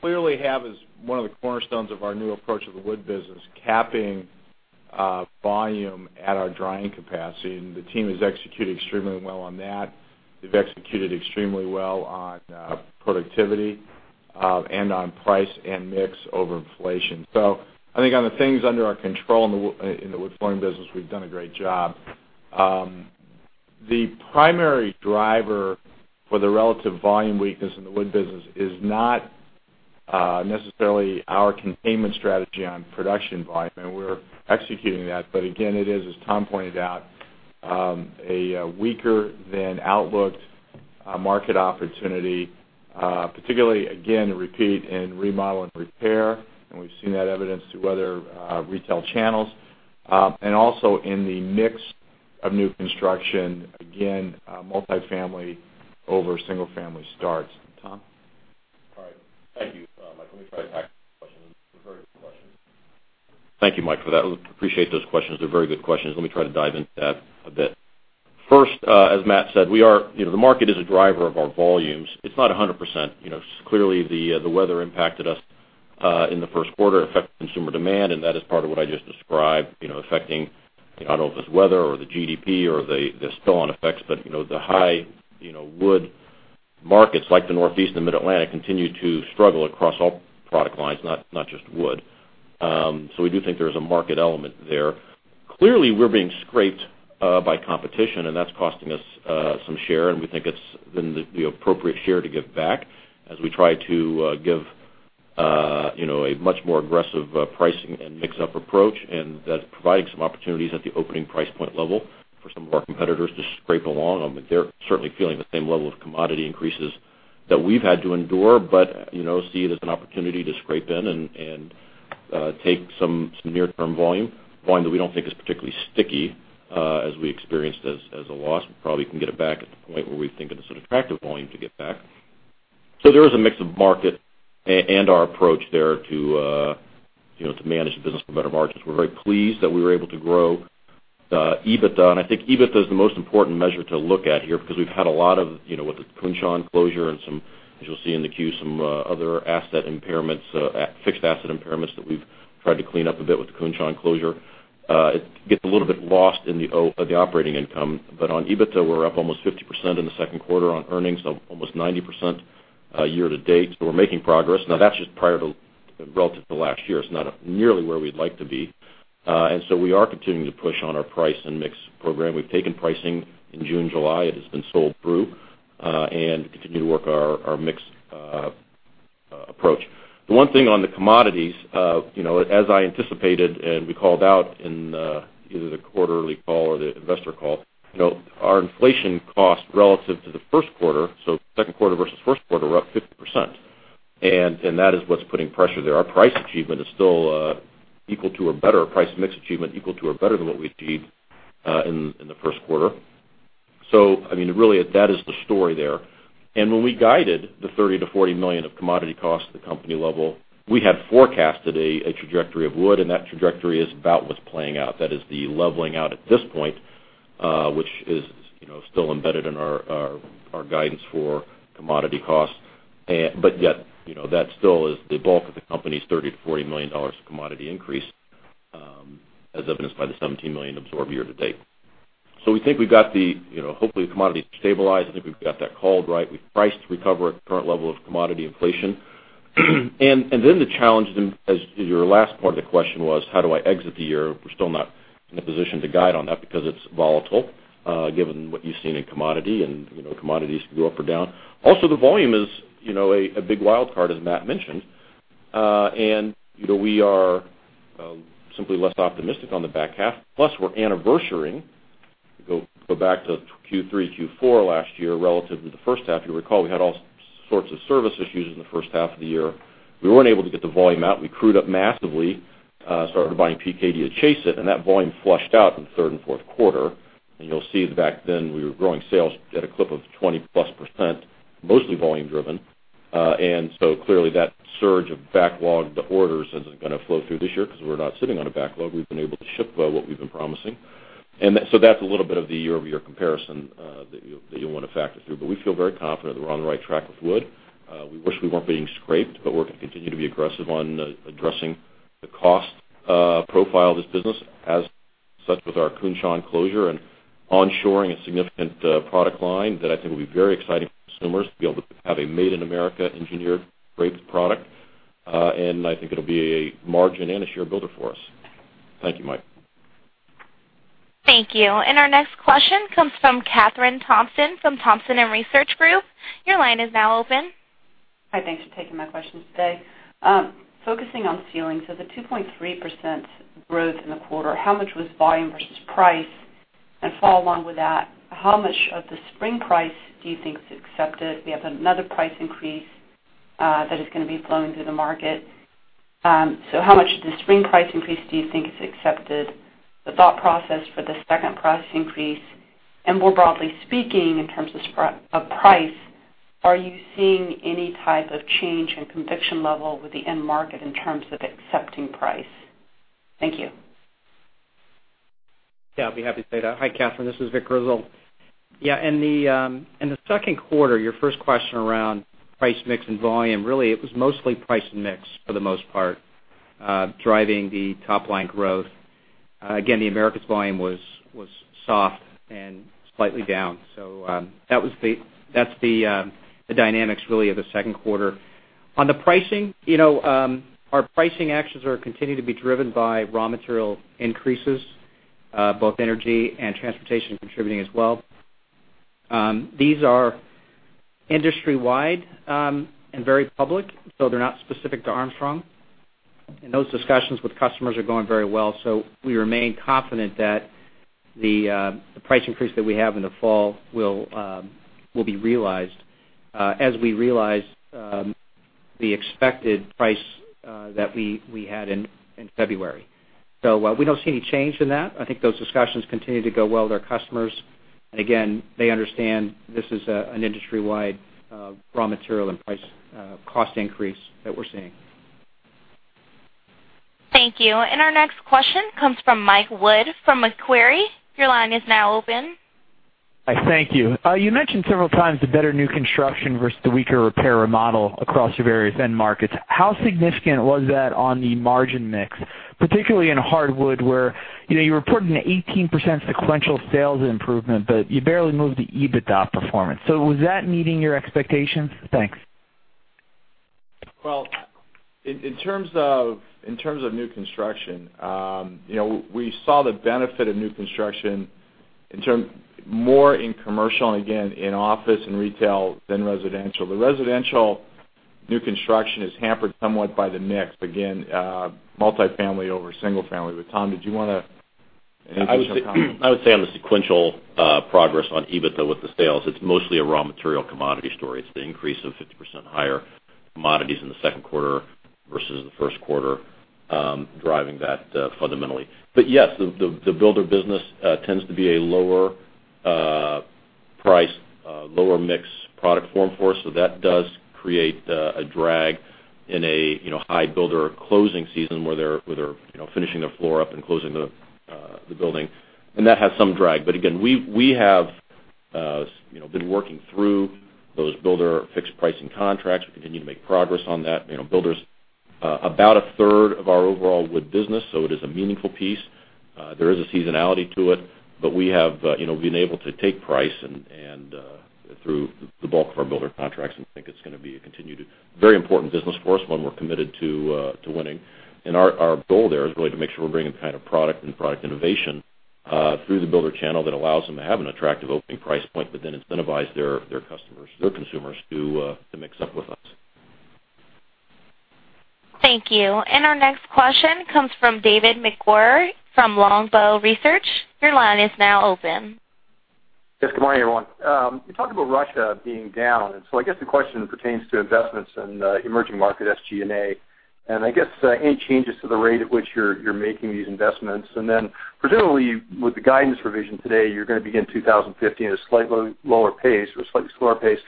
Speaker 3: Clearly have as one of the cornerstones of our new approach of the wood business, capping volume at our drying capacity, and the team has executed extremely well on that. They've executed extremely well on productivity and on price and mix over inflation. I think on the things under our control in the wood flooring business, we've done a great job. The primary driver for the relative volume weakness in the wood business is not necessarily our containment strategy on production volume. We're executing that. Again, it is, as Tom pointed out, a weaker than outlooked market opportunity, particularly, again, to repeat in remodel and repair, and we've seen that evidenced through other retail channels. Also in the mix of new construction, again, multifamily over single-family starts. Tom?
Speaker 7: Thank you, Mike. Let me try to tackle those questions. They're very good questions. Thank you, Mike, for that. Appreciate those questions. They're very good questions. Let me try to dive into that a bit. First, as Matt said, the market is a driver of our volumes. It's not 100%. Clearly, the weather impacted us in the first quarter, affected consumer demand, and that is part of what I just described, affecting, I don't know if it's weather or the GDP or the spill-on effects, but the high wood markets like the Northeast and Mid-Atlantic continue to struggle across all product lines, not just wood. We do think there is a market element there. Clearly, we're being scraped by competition, and that's costing us some share, and we think it's the appropriate share to give back as we try to give a much more aggressive pricing and mix-up approach. That's providing some opportunities at the opening price point level for some of our competitors to scrape along. They're certainly feeling the same level of commodity increases that we've had to endure, but see it as an opportunity to scrape in and take some near-term volume. Volume that we don't think is particularly sticky as we experienced as a loss. We probably can get it back at the point where we think it is an attractive volume to get back. There is a mix of market and our approach there to manage the business for better margins. We're very pleased that we were able to grow EBITDA. I think EBITDA is the most important measure to look at here because we've had a lot of, with the Kunshan closure and some, as you'll see in the 10-Q, some other asset impairments, fixed asset impairments that we've tried to clean up a bit with the Kunshan closure. It gets a little bit lost in the operating income. On EBITDA, we're up almost 50% in the second quarter on earnings, almost 90% year-to-date. We're making progress. Now, that's just prior to relative to last year. It's not nearly where we'd like to be. We are continuing to push on our price and mix program. We've taken pricing in June, July. It has been sold through. Continue to work our mix approach. The one thing on the commodities, as I anticipated and we called out in either the quarterly call or the investor call, our inflation cost relative to the first quarter, so second quarter versus first quarter, we're up 50%. That is what's putting pressure there. Our price achievement is still equal to or better. Price mix achievement equal to or better than what we achieved in the first quarter. Really, that is the story there. When we guided the $30 million-$40 million of commodity cost at the company level, we had forecasted a trajectory of wood, and that trajectory is about what's playing out. That is the leveling out at this point, which is still embedded in our guidance for commodity costs. Yet, that still is the bulk of the company's $30 million-$40 million of commodity increase, as evidenced by the $17 million absorbed year-to-date. We think hopefully the commodities stabilize. I think we've got that called right. We've priced to recover at the current level of commodity inflation. The challenge then as your last part of the question was, how do I exit the year? We're still not in a position to guide on that because it's volatile, given what you've seen in commodity, and commodities can go up or down. Also, the volume is a big wild card, as Matt mentioned. We are simply less optimistic on the back half. Plus, we're anniversarying. Go back to Q3, Q4 last year relative to the first half. You'll recall we had all sorts of service issues in the first half of the year. We weren't able to get the volume out. We crewed up massively, started buying PKD to chase it, and that volume flushed out in the third and fourth quarter. You'll see back then we were growing sales at a clip of 20-plus%, mostly volume driven. Clearly that surge of backlog, the orders isn't going to flow through this year because we're not sitting on a backlog. We've been able to ship what we've been promising. That's a little bit of the year-over-year comparison that you'll want to factor through. We feel very confident that we're on the right track with wood. We wish we weren't being scraped, we're going to continue to be aggressive on addressing the cost profile of this business, as such with our Kunshan closure and onshoring a significant product line that I think will be very exciting for consumers to be able to have a Made in America engineered, great product. I think it'll be a margin and a share builder for us. Thank you, Mike.
Speaker 1: Thank you. Our next question comes from Kathryn Thompson from Thompson Research Group. Your line is now open.
Speaker 15: Hi, thanks for taking my questions today. Focusing on ceilings, the 2.3% growth in the quarter, how much was volume versus price? Follow along with that, how much of the spring price do you think is accepted? We have another price increase that is going to be flowing through the market. How much of the spring price increase do you think is accepted? The thought process for the second price increase. More broadly speaking, in terms of price, are you seeing any type of change in conviction level with the end market in terms of accepting price? Thank you.
Speaker 16: I'll be happy to say that. Hi, Kathryn, this is Victor Grizzle. In the second quarter, your first question around price mix and volume, really, it was mostly price and mix for the most part, driving the top-line growth. Again, the Americas volume was soft and slightly down. That's the dynamics really of the second quarter. On the pricing, our pricing actions are continuing to be driven by raw material increases, both energy and transportation contributing as well. These are industry-wide and very public, they're not specific to Armstrong. Those discussions with customers are going very well. We remain confident that the price increase that we have in the fall will be realized as we realize the expected price that we had in February. We don't see any change in that. I think those discussions continue to go well with our customers. Again, they understand this is an industry-wide raw material and price cost increase that we're seeing.
Speaker 1: Thank you. Our next question comes from Michael Wood from Macquarie. Your line is now open.
Speaker 17: Thank you. You mentioned several times the better new construction versus the weaker repair model across your various end markets. How significant was that on the margin mix, particularly in hardwood, where you reported an 18% sequential sales improvement, but you barely moved the EBITDA performance. Was that meeting your expectations? Thanks.
Speaker 3: Well, in terms of new construction, we saw the benefit of new construction more in commercial, again, in office and retail than residential. The residential new construction is hampered somewhat by the mix. Again, multifamily over single family. Tom, did you want to add anything?
Speaker 7: Yes, I would say on the sequential progress on EBITDA with the sales, it's mostly a raw material commodity story. It's the increase of 50% higher commodities in the second quarter versus the first quarter, driving that fundamentally. Yes, the builder business tends to be a lower price, lower mix product form for us, so that does create a drag in a high builder closing season where they're finishing their floor up and closing the building, and that has some drag. Again, we have been working through those builder fixed pricing contracts. We continue to make progress on that. Builders are about a third of our overall wood business, so it is a meaningful piece. There is a seasonality to it, but we have been able to take price and through the bulk of our builder contracts, and think it's going to be a continued very important business for us, one we're committed to winning. Our goal there is really to make sure we're bringing the kind of product and product innovation through the builder channel that allows them to have an attractive opening price point, but then incentivize their customers, their consumers, to mix up with us.
Speaker 1: Thank you. Our next question comes from David MacGregor from Longbow Research. Your line is now open.
Speaker 18: Yes. Good morning, everyone. You talked about Russia being down, I guess the question pertains to investments in emerging market SG&A, I guess, any changes to the rate at which you're making these investments. Presumably, with the guidance revision today, you're going to begin 2015 at a slightly lower pace or a slightly slower pace.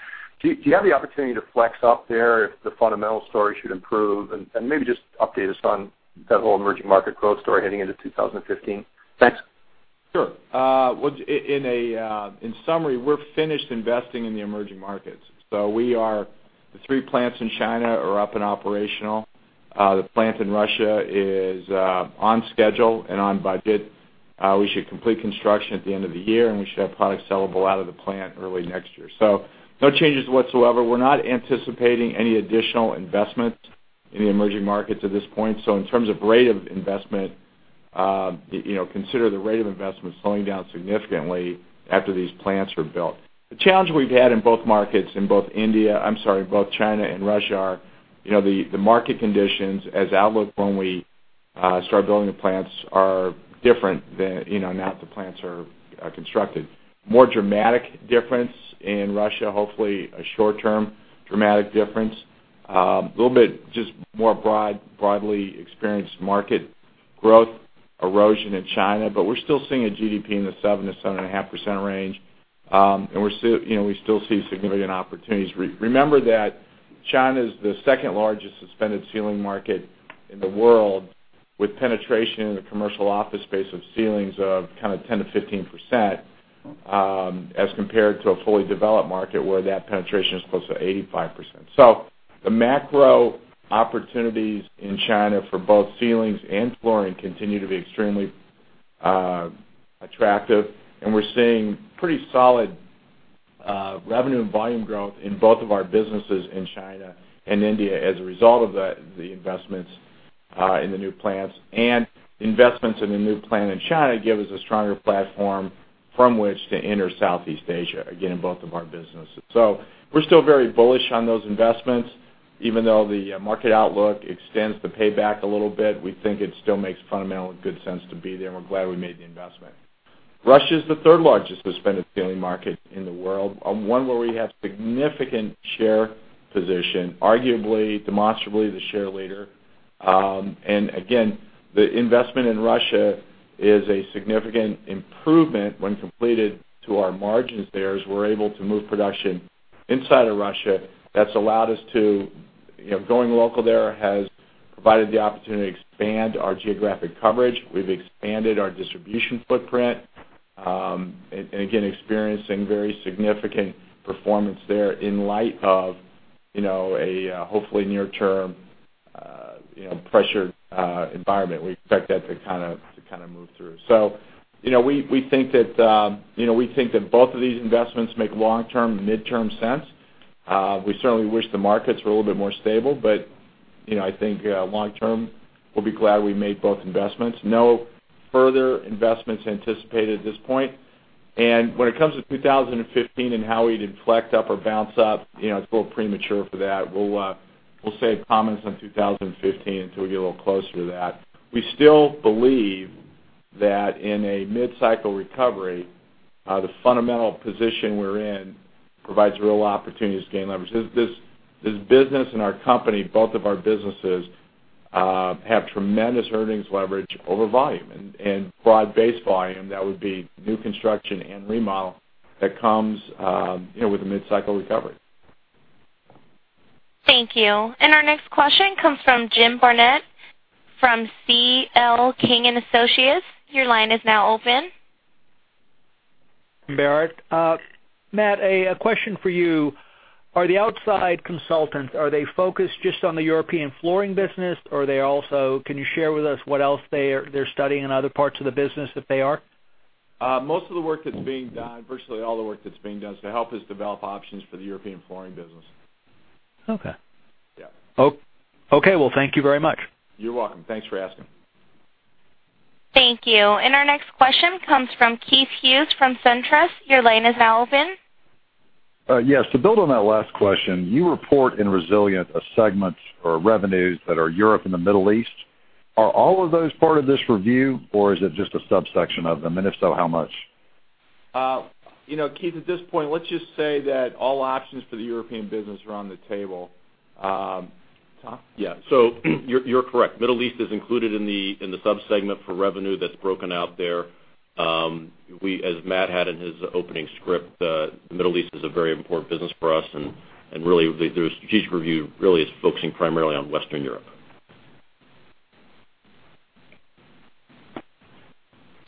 Speaker 18: Do you have the opportunity to flex up there if the fundamental story should improve? Maybe just update us on that whole emerging market growth story heading into 2015. Thanks.
Speaker 3: Sure. In summary, we're finished investing in the emerging markets. The three plants in China are up and operational. The plant in Russia is on schedule and on budget. We should complete construction at the end of the year, and we should have product sellable out of the plant early next year. No changes whatsoever. We're not anticipating any additional investment in the emerging markets at this point. In terms of rate of investment, consider the rate of investment slowing down significantly after these plants are built. The challenge we've had in both China and Russia are the market conditions as outlook when we started building the plants are different now that the plants are constructed. More dramatic difference in Russia, hopefully a short-term dramatic difference. A little bit just more broadly experienced market growth erosion in China, we're still seeing a GDP in the 7%-7.5% range, and we still see significant opportunities. Remember that China is the second largest suspended ceiling market in the world, with penetration in the commercial office space of ceilings of 10%-15%, as compared to a fully developed market where that penetration is closer to 85%. The macro opportunities in China for both ceilings and flooring continue to be extremely attractive, and we're seeing pretty solid revenue and volume growth in both of our businesses in China and India as a result of the investments in the new plants. Investments in the new plant in China give us a stronger platform from which to enter Southeast Asia, again, in both of our businesses. We're still very bullish on those investments, even though the market outlook extends the payback a little bit. We think it still makes fundamental good sense to be there, and we're glad we made the investment. Russia is the third largest suspended ceiling market in the world, one where we have significant share position, arguably, demonstrably the share leader. Again, the investment in Russia is a significant improvement when completed to our margins there, as we're able to move production inside of Russia. Going local there has provided the opportunity to expand our geographic coverage. We've expanded our distribution footprint. Again, experiencing very significant performance there in light of a hopefully near-term pressured environment. We expect that to kind of move through. We think that both of these investments make long-term, midterm sense. We certainly wish the markets were a little bit more stable, I think long-term, we'll be glad we made both investments. No further investments anticipated at this point. When it comes to 2015 and how we flex up or bounce up, it's a little premature for that. We'll save comments on 2015 until we get a little closer to that. We still believe that in a mid-cycle recovery, the fundamental position we're in provides real opportunities to gain leverage. This business and our company, both of our businesses Have tremendous earnings leverage over volume and broad-based volume that would be new construction and remodel that comes with a mid-cycle recovery.
Speaker 1: Thank you. Our next question comes from James Barrett from C.L. King & Associates. Your line is now open.
Speaker 19: Barrett. Matt, a question for you. Are they focused just on the European flooring business or can you share with us what else they're studying in other parts of the business if they are?
Speaker 3: Most of the work that's being done, virtually all the work that's being done, is to help us develop options for the European flooring business.
Speaker 19: Okay.
Speaker 3: Yeah. Okay. Well, thank you very much. You're welcome. Thanks for asking.
Speaker 1: Thank you. Our next question comes from Keith Hughes from SunTrust. Your line is now open.
Speaker 5: Yes. To build on that last question, you report in Resilient a segment or revenues that are Europe and the Middle East. Are all of those part of this review or is it just a subsection of them? If so, how much?
Speaker 3: Keith, at this point, let's just say that all options for the European business are on the table. Tom?
Speaker 4: Yeah. You're correct. Middle East is included in the sub-segment for revenue that's broken out there. As Matt had in his opening script, the Middle East is a very important business for us and really, the strategic review really is focusing primarily on Western Europe.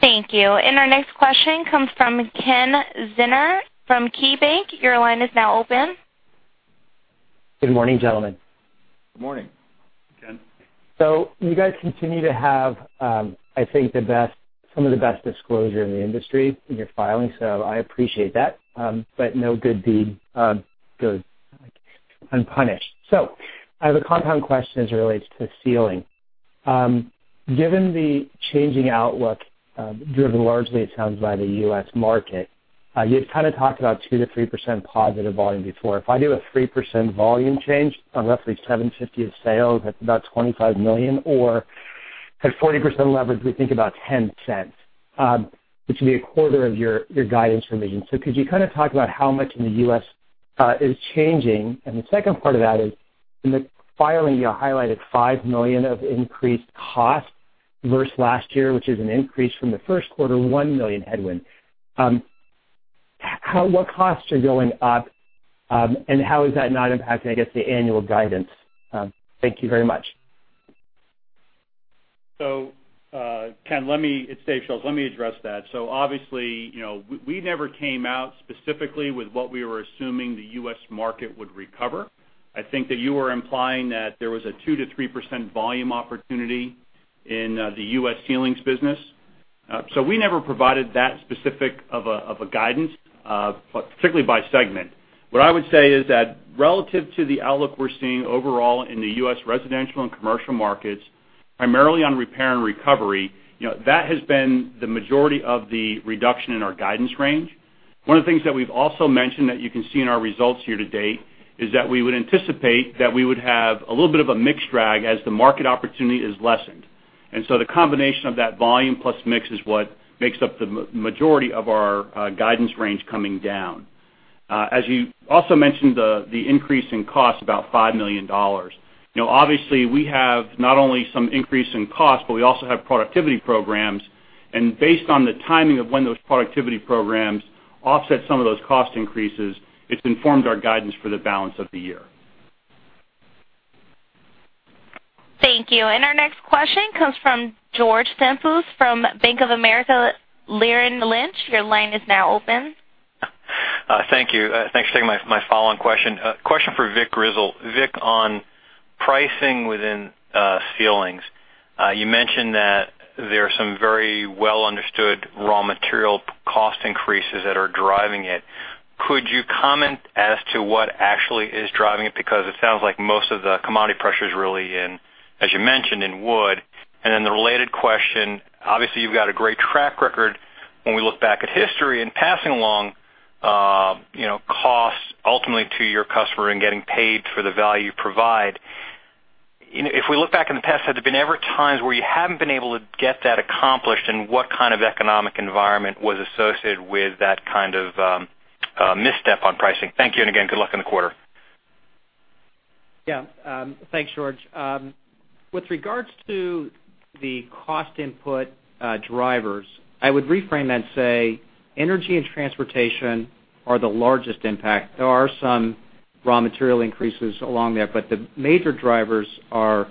Speaker 1: Thank you. Our next question comes from Kenneth Zener from KeyBank. Your line is now open.
Speaker 20: Good morning, gentlemen.
Speaker 3: Good morning.
Speaker 4: Ken.
Speaker 20: You guys continue to have, I think, some of the best disclosure in the industry in your filings. I appreciate that. No good deed goes unpunished. I have a compound question as it relates to ceiling. Given the changing outlook, driven largely, it sounds, by the U.S. market, you've kind of talked about 2%-3% positive volume before. If I do a 3% volume change on roughly $750 million of sales, that's about $25 million, or at 40% leverage, we think about $0.10, which would be a quarter of your guidance revision. Could you kind of talk about how much in the U.S. is changing? And the second part of that is, in the filing, you highlighted $5 million of increased cost versus last year, which is an increase from the first quarter, $1 million headwind. What costs are going up? How is that not impacting, I guess, the annual guidance? Thank you very much.
Speaker 4: Ken, it's Dave Schulz. Let me address that. Obviously, we never came out specifically with what we were assuming the U.S. market would recover. I think that you were implying that there was a 2%-3% volume opportunity in the U.S. ceilings business. We never provided that specific of a guidance, particularly by segment. What I would say is that relative to the outlook we're seeing overall in the U.S. residential and commercial markets, primarily on repair and recovery, that has been the majority of the reduction in our guidance range. One of the things that we've also mentioned that you can see in our results here to date is that we would anticipate that we would have a little bit of a mix drag as the market opportunity is lessened. The combination of that volume plus mix is what makes up the majority of our guidance range coming down. As you also mentioned, the increase in cost, about $5 million. Obviously, we have not only some increase in cost, but we also have productivity programs. Based on the timing of when those productivity programs offset some of those cost increases, it's informed our guidance for the balance of the year.
Speaker 1: Thank you. Our next question comes from George Staphos from Bank of America Merrill Lynch. Your line is now open.
Speaker 8: Thank you. Thanks for taking my follow-on question. Question for Vic Grizzle. Vic, on pricing within ceilings, you mentioned that there are some very well-understood raw material cost increases that are driving it. Could you comment as to what actually is driving it? Because it sounds like most of the commodity pressure's really in, as you mentioned, in wood. The related question, obviously, you've got a great track record when we look back at history in passing along costs ultimately to your customer and getting paid for the value you provide. If we look back in the past, have there been ever times where you haven't been able to get that accomplished, and what kind of economic environment was associated with that kind of misstep on pricing? Thank you. Again, good luck in the quarter.
Speaker 16: Yeah. Thanks, George. With regards to the cost input drivers, I would reframe that and say energy and transportation are the largest impact. There are some raw material increases along there, but the major drivers are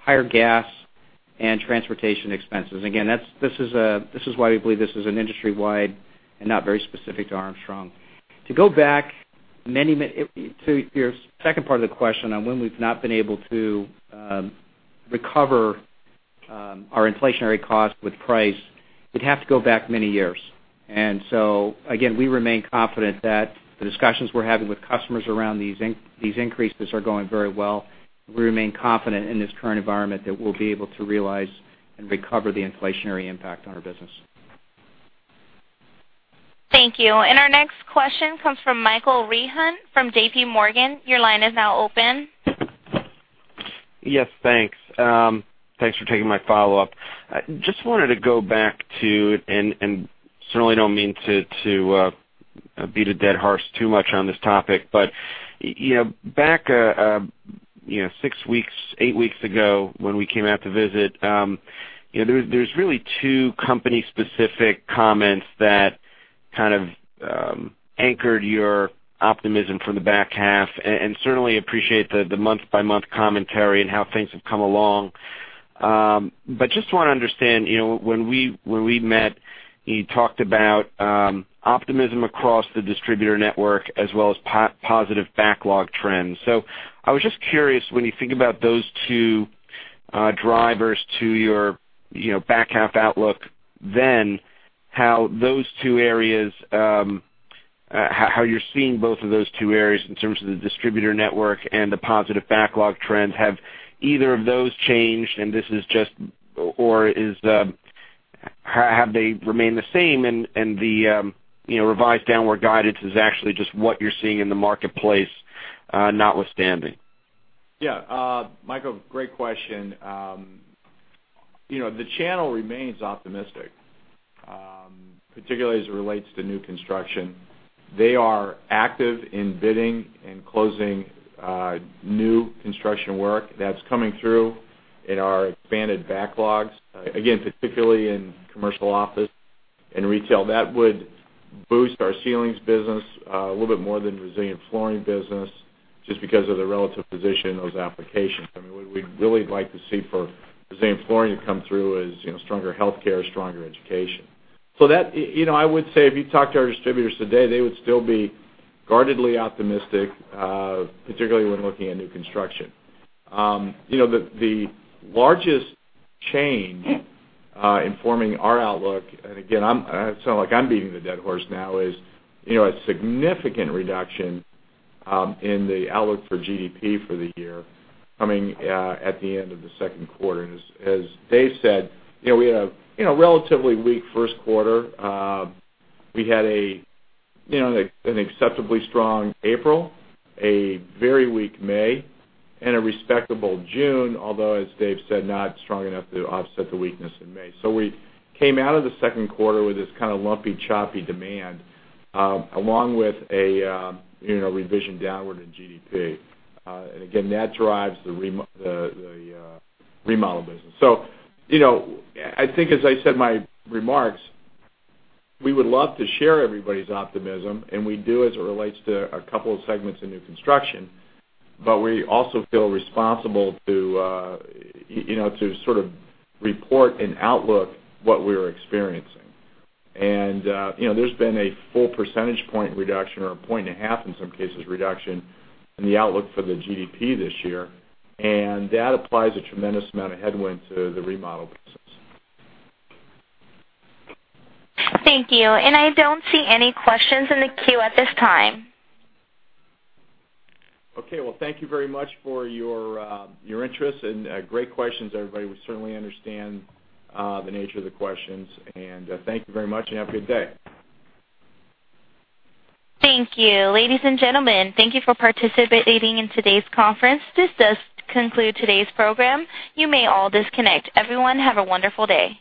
Speaker 16: higher gas and transportation expenses. Again, this is why we believe this is an industry-wide and not very specific to Armstrong. To go back to your second part of the question on when we've not been able to recover our inflationary cost with price, we'd have to go back many years. Again, we remain confident that the discussions we're having with customers around these increases are going very well. We remain confident in this current environment that we'll be able to realize and recover the inflationary impact on our business.
Speaker 1: Thank you. Our next question comes from Michael Rehaut from J.P. Morgan. Your line is now open.
Speaker 14: Yes, thanks. Thanks for taking my follow-up. Just wanted to go back to, and certainly don't mean to beat a dead horse too much on this topic. Back six weeks, eight weeks ago, when we came out to visit, there's really two company-specific comments that kind of anchored your optimism for the back half, and certainly appreciate the month-by-month commentary and how things have come along. Just want to understand, when we met, you talked about optimism across the distributor network as well as positive backlog trends. I was just curious, when you think about those two drivers to your back half outlook, how you're seeing both of those two areas in terms of the distributor network and the positive backlog trends. Have either of those changed, or have they remained the same and the revised downward guidance is actually just what you're seeing in the marketplace notwithstanding?
Speaker 3: Yeah. Michael, great question. The channel remains optimistic, particularly as it relates to new construction. They are active in bidding and closing new construction work that's coming through in our expanded backlogs, again, particularly in commercial office and retail. That would boost our ceilings business a little bit more than resilient flooring business, just because of the relative position in those applications. What we'd really like to see for resilient flooring to come through is stronger healthcare, stronger education. I would say, if you talk to our distributors today, they would still be guardedly optimistic, particularly when looking at new construction. The largest change in forming our outlook, and again, I sound like I'm beating the dead horse now, is a significant reduction in the outlook for GDP for the year coming at the end of the second quarter. As Dave said, we had a relatively weak first quarter. We had an acceptably strong April, a very weak May, and a respectable June, although, as Dave said, not strong enough to offset the weakness in May. We came out of the second quarter with this kind of lumpy, choppy demand, along with a revision downward in GDP. Again, that drives the remodel business. I think, as I said in my remarks, we would love to share everybody's optimism, and we do as it relates to a couple of segments in new construction. We also feel responsible to sort of report and outlook what we're experiencing. There's been a full percentage point reduction, or a point and a half, in some cases, reduction in the outlook for the GDP this year, and that applies a tremendous amount of headwind to the remodel business.
Speaker 1: Thank you. I don't see any questions in the queue at this time.
Speaker 3: Well, thank you very much for your interest and great questions, everybody. We certainly understand the nature of the questions, and thank you very much, and have a good day.
Speaker 1: Thank you. Ladies and gentlemen, thank you for participating in today's conference. This does conclude today's program. You may all disconnect. Everyone, have a wonderful day.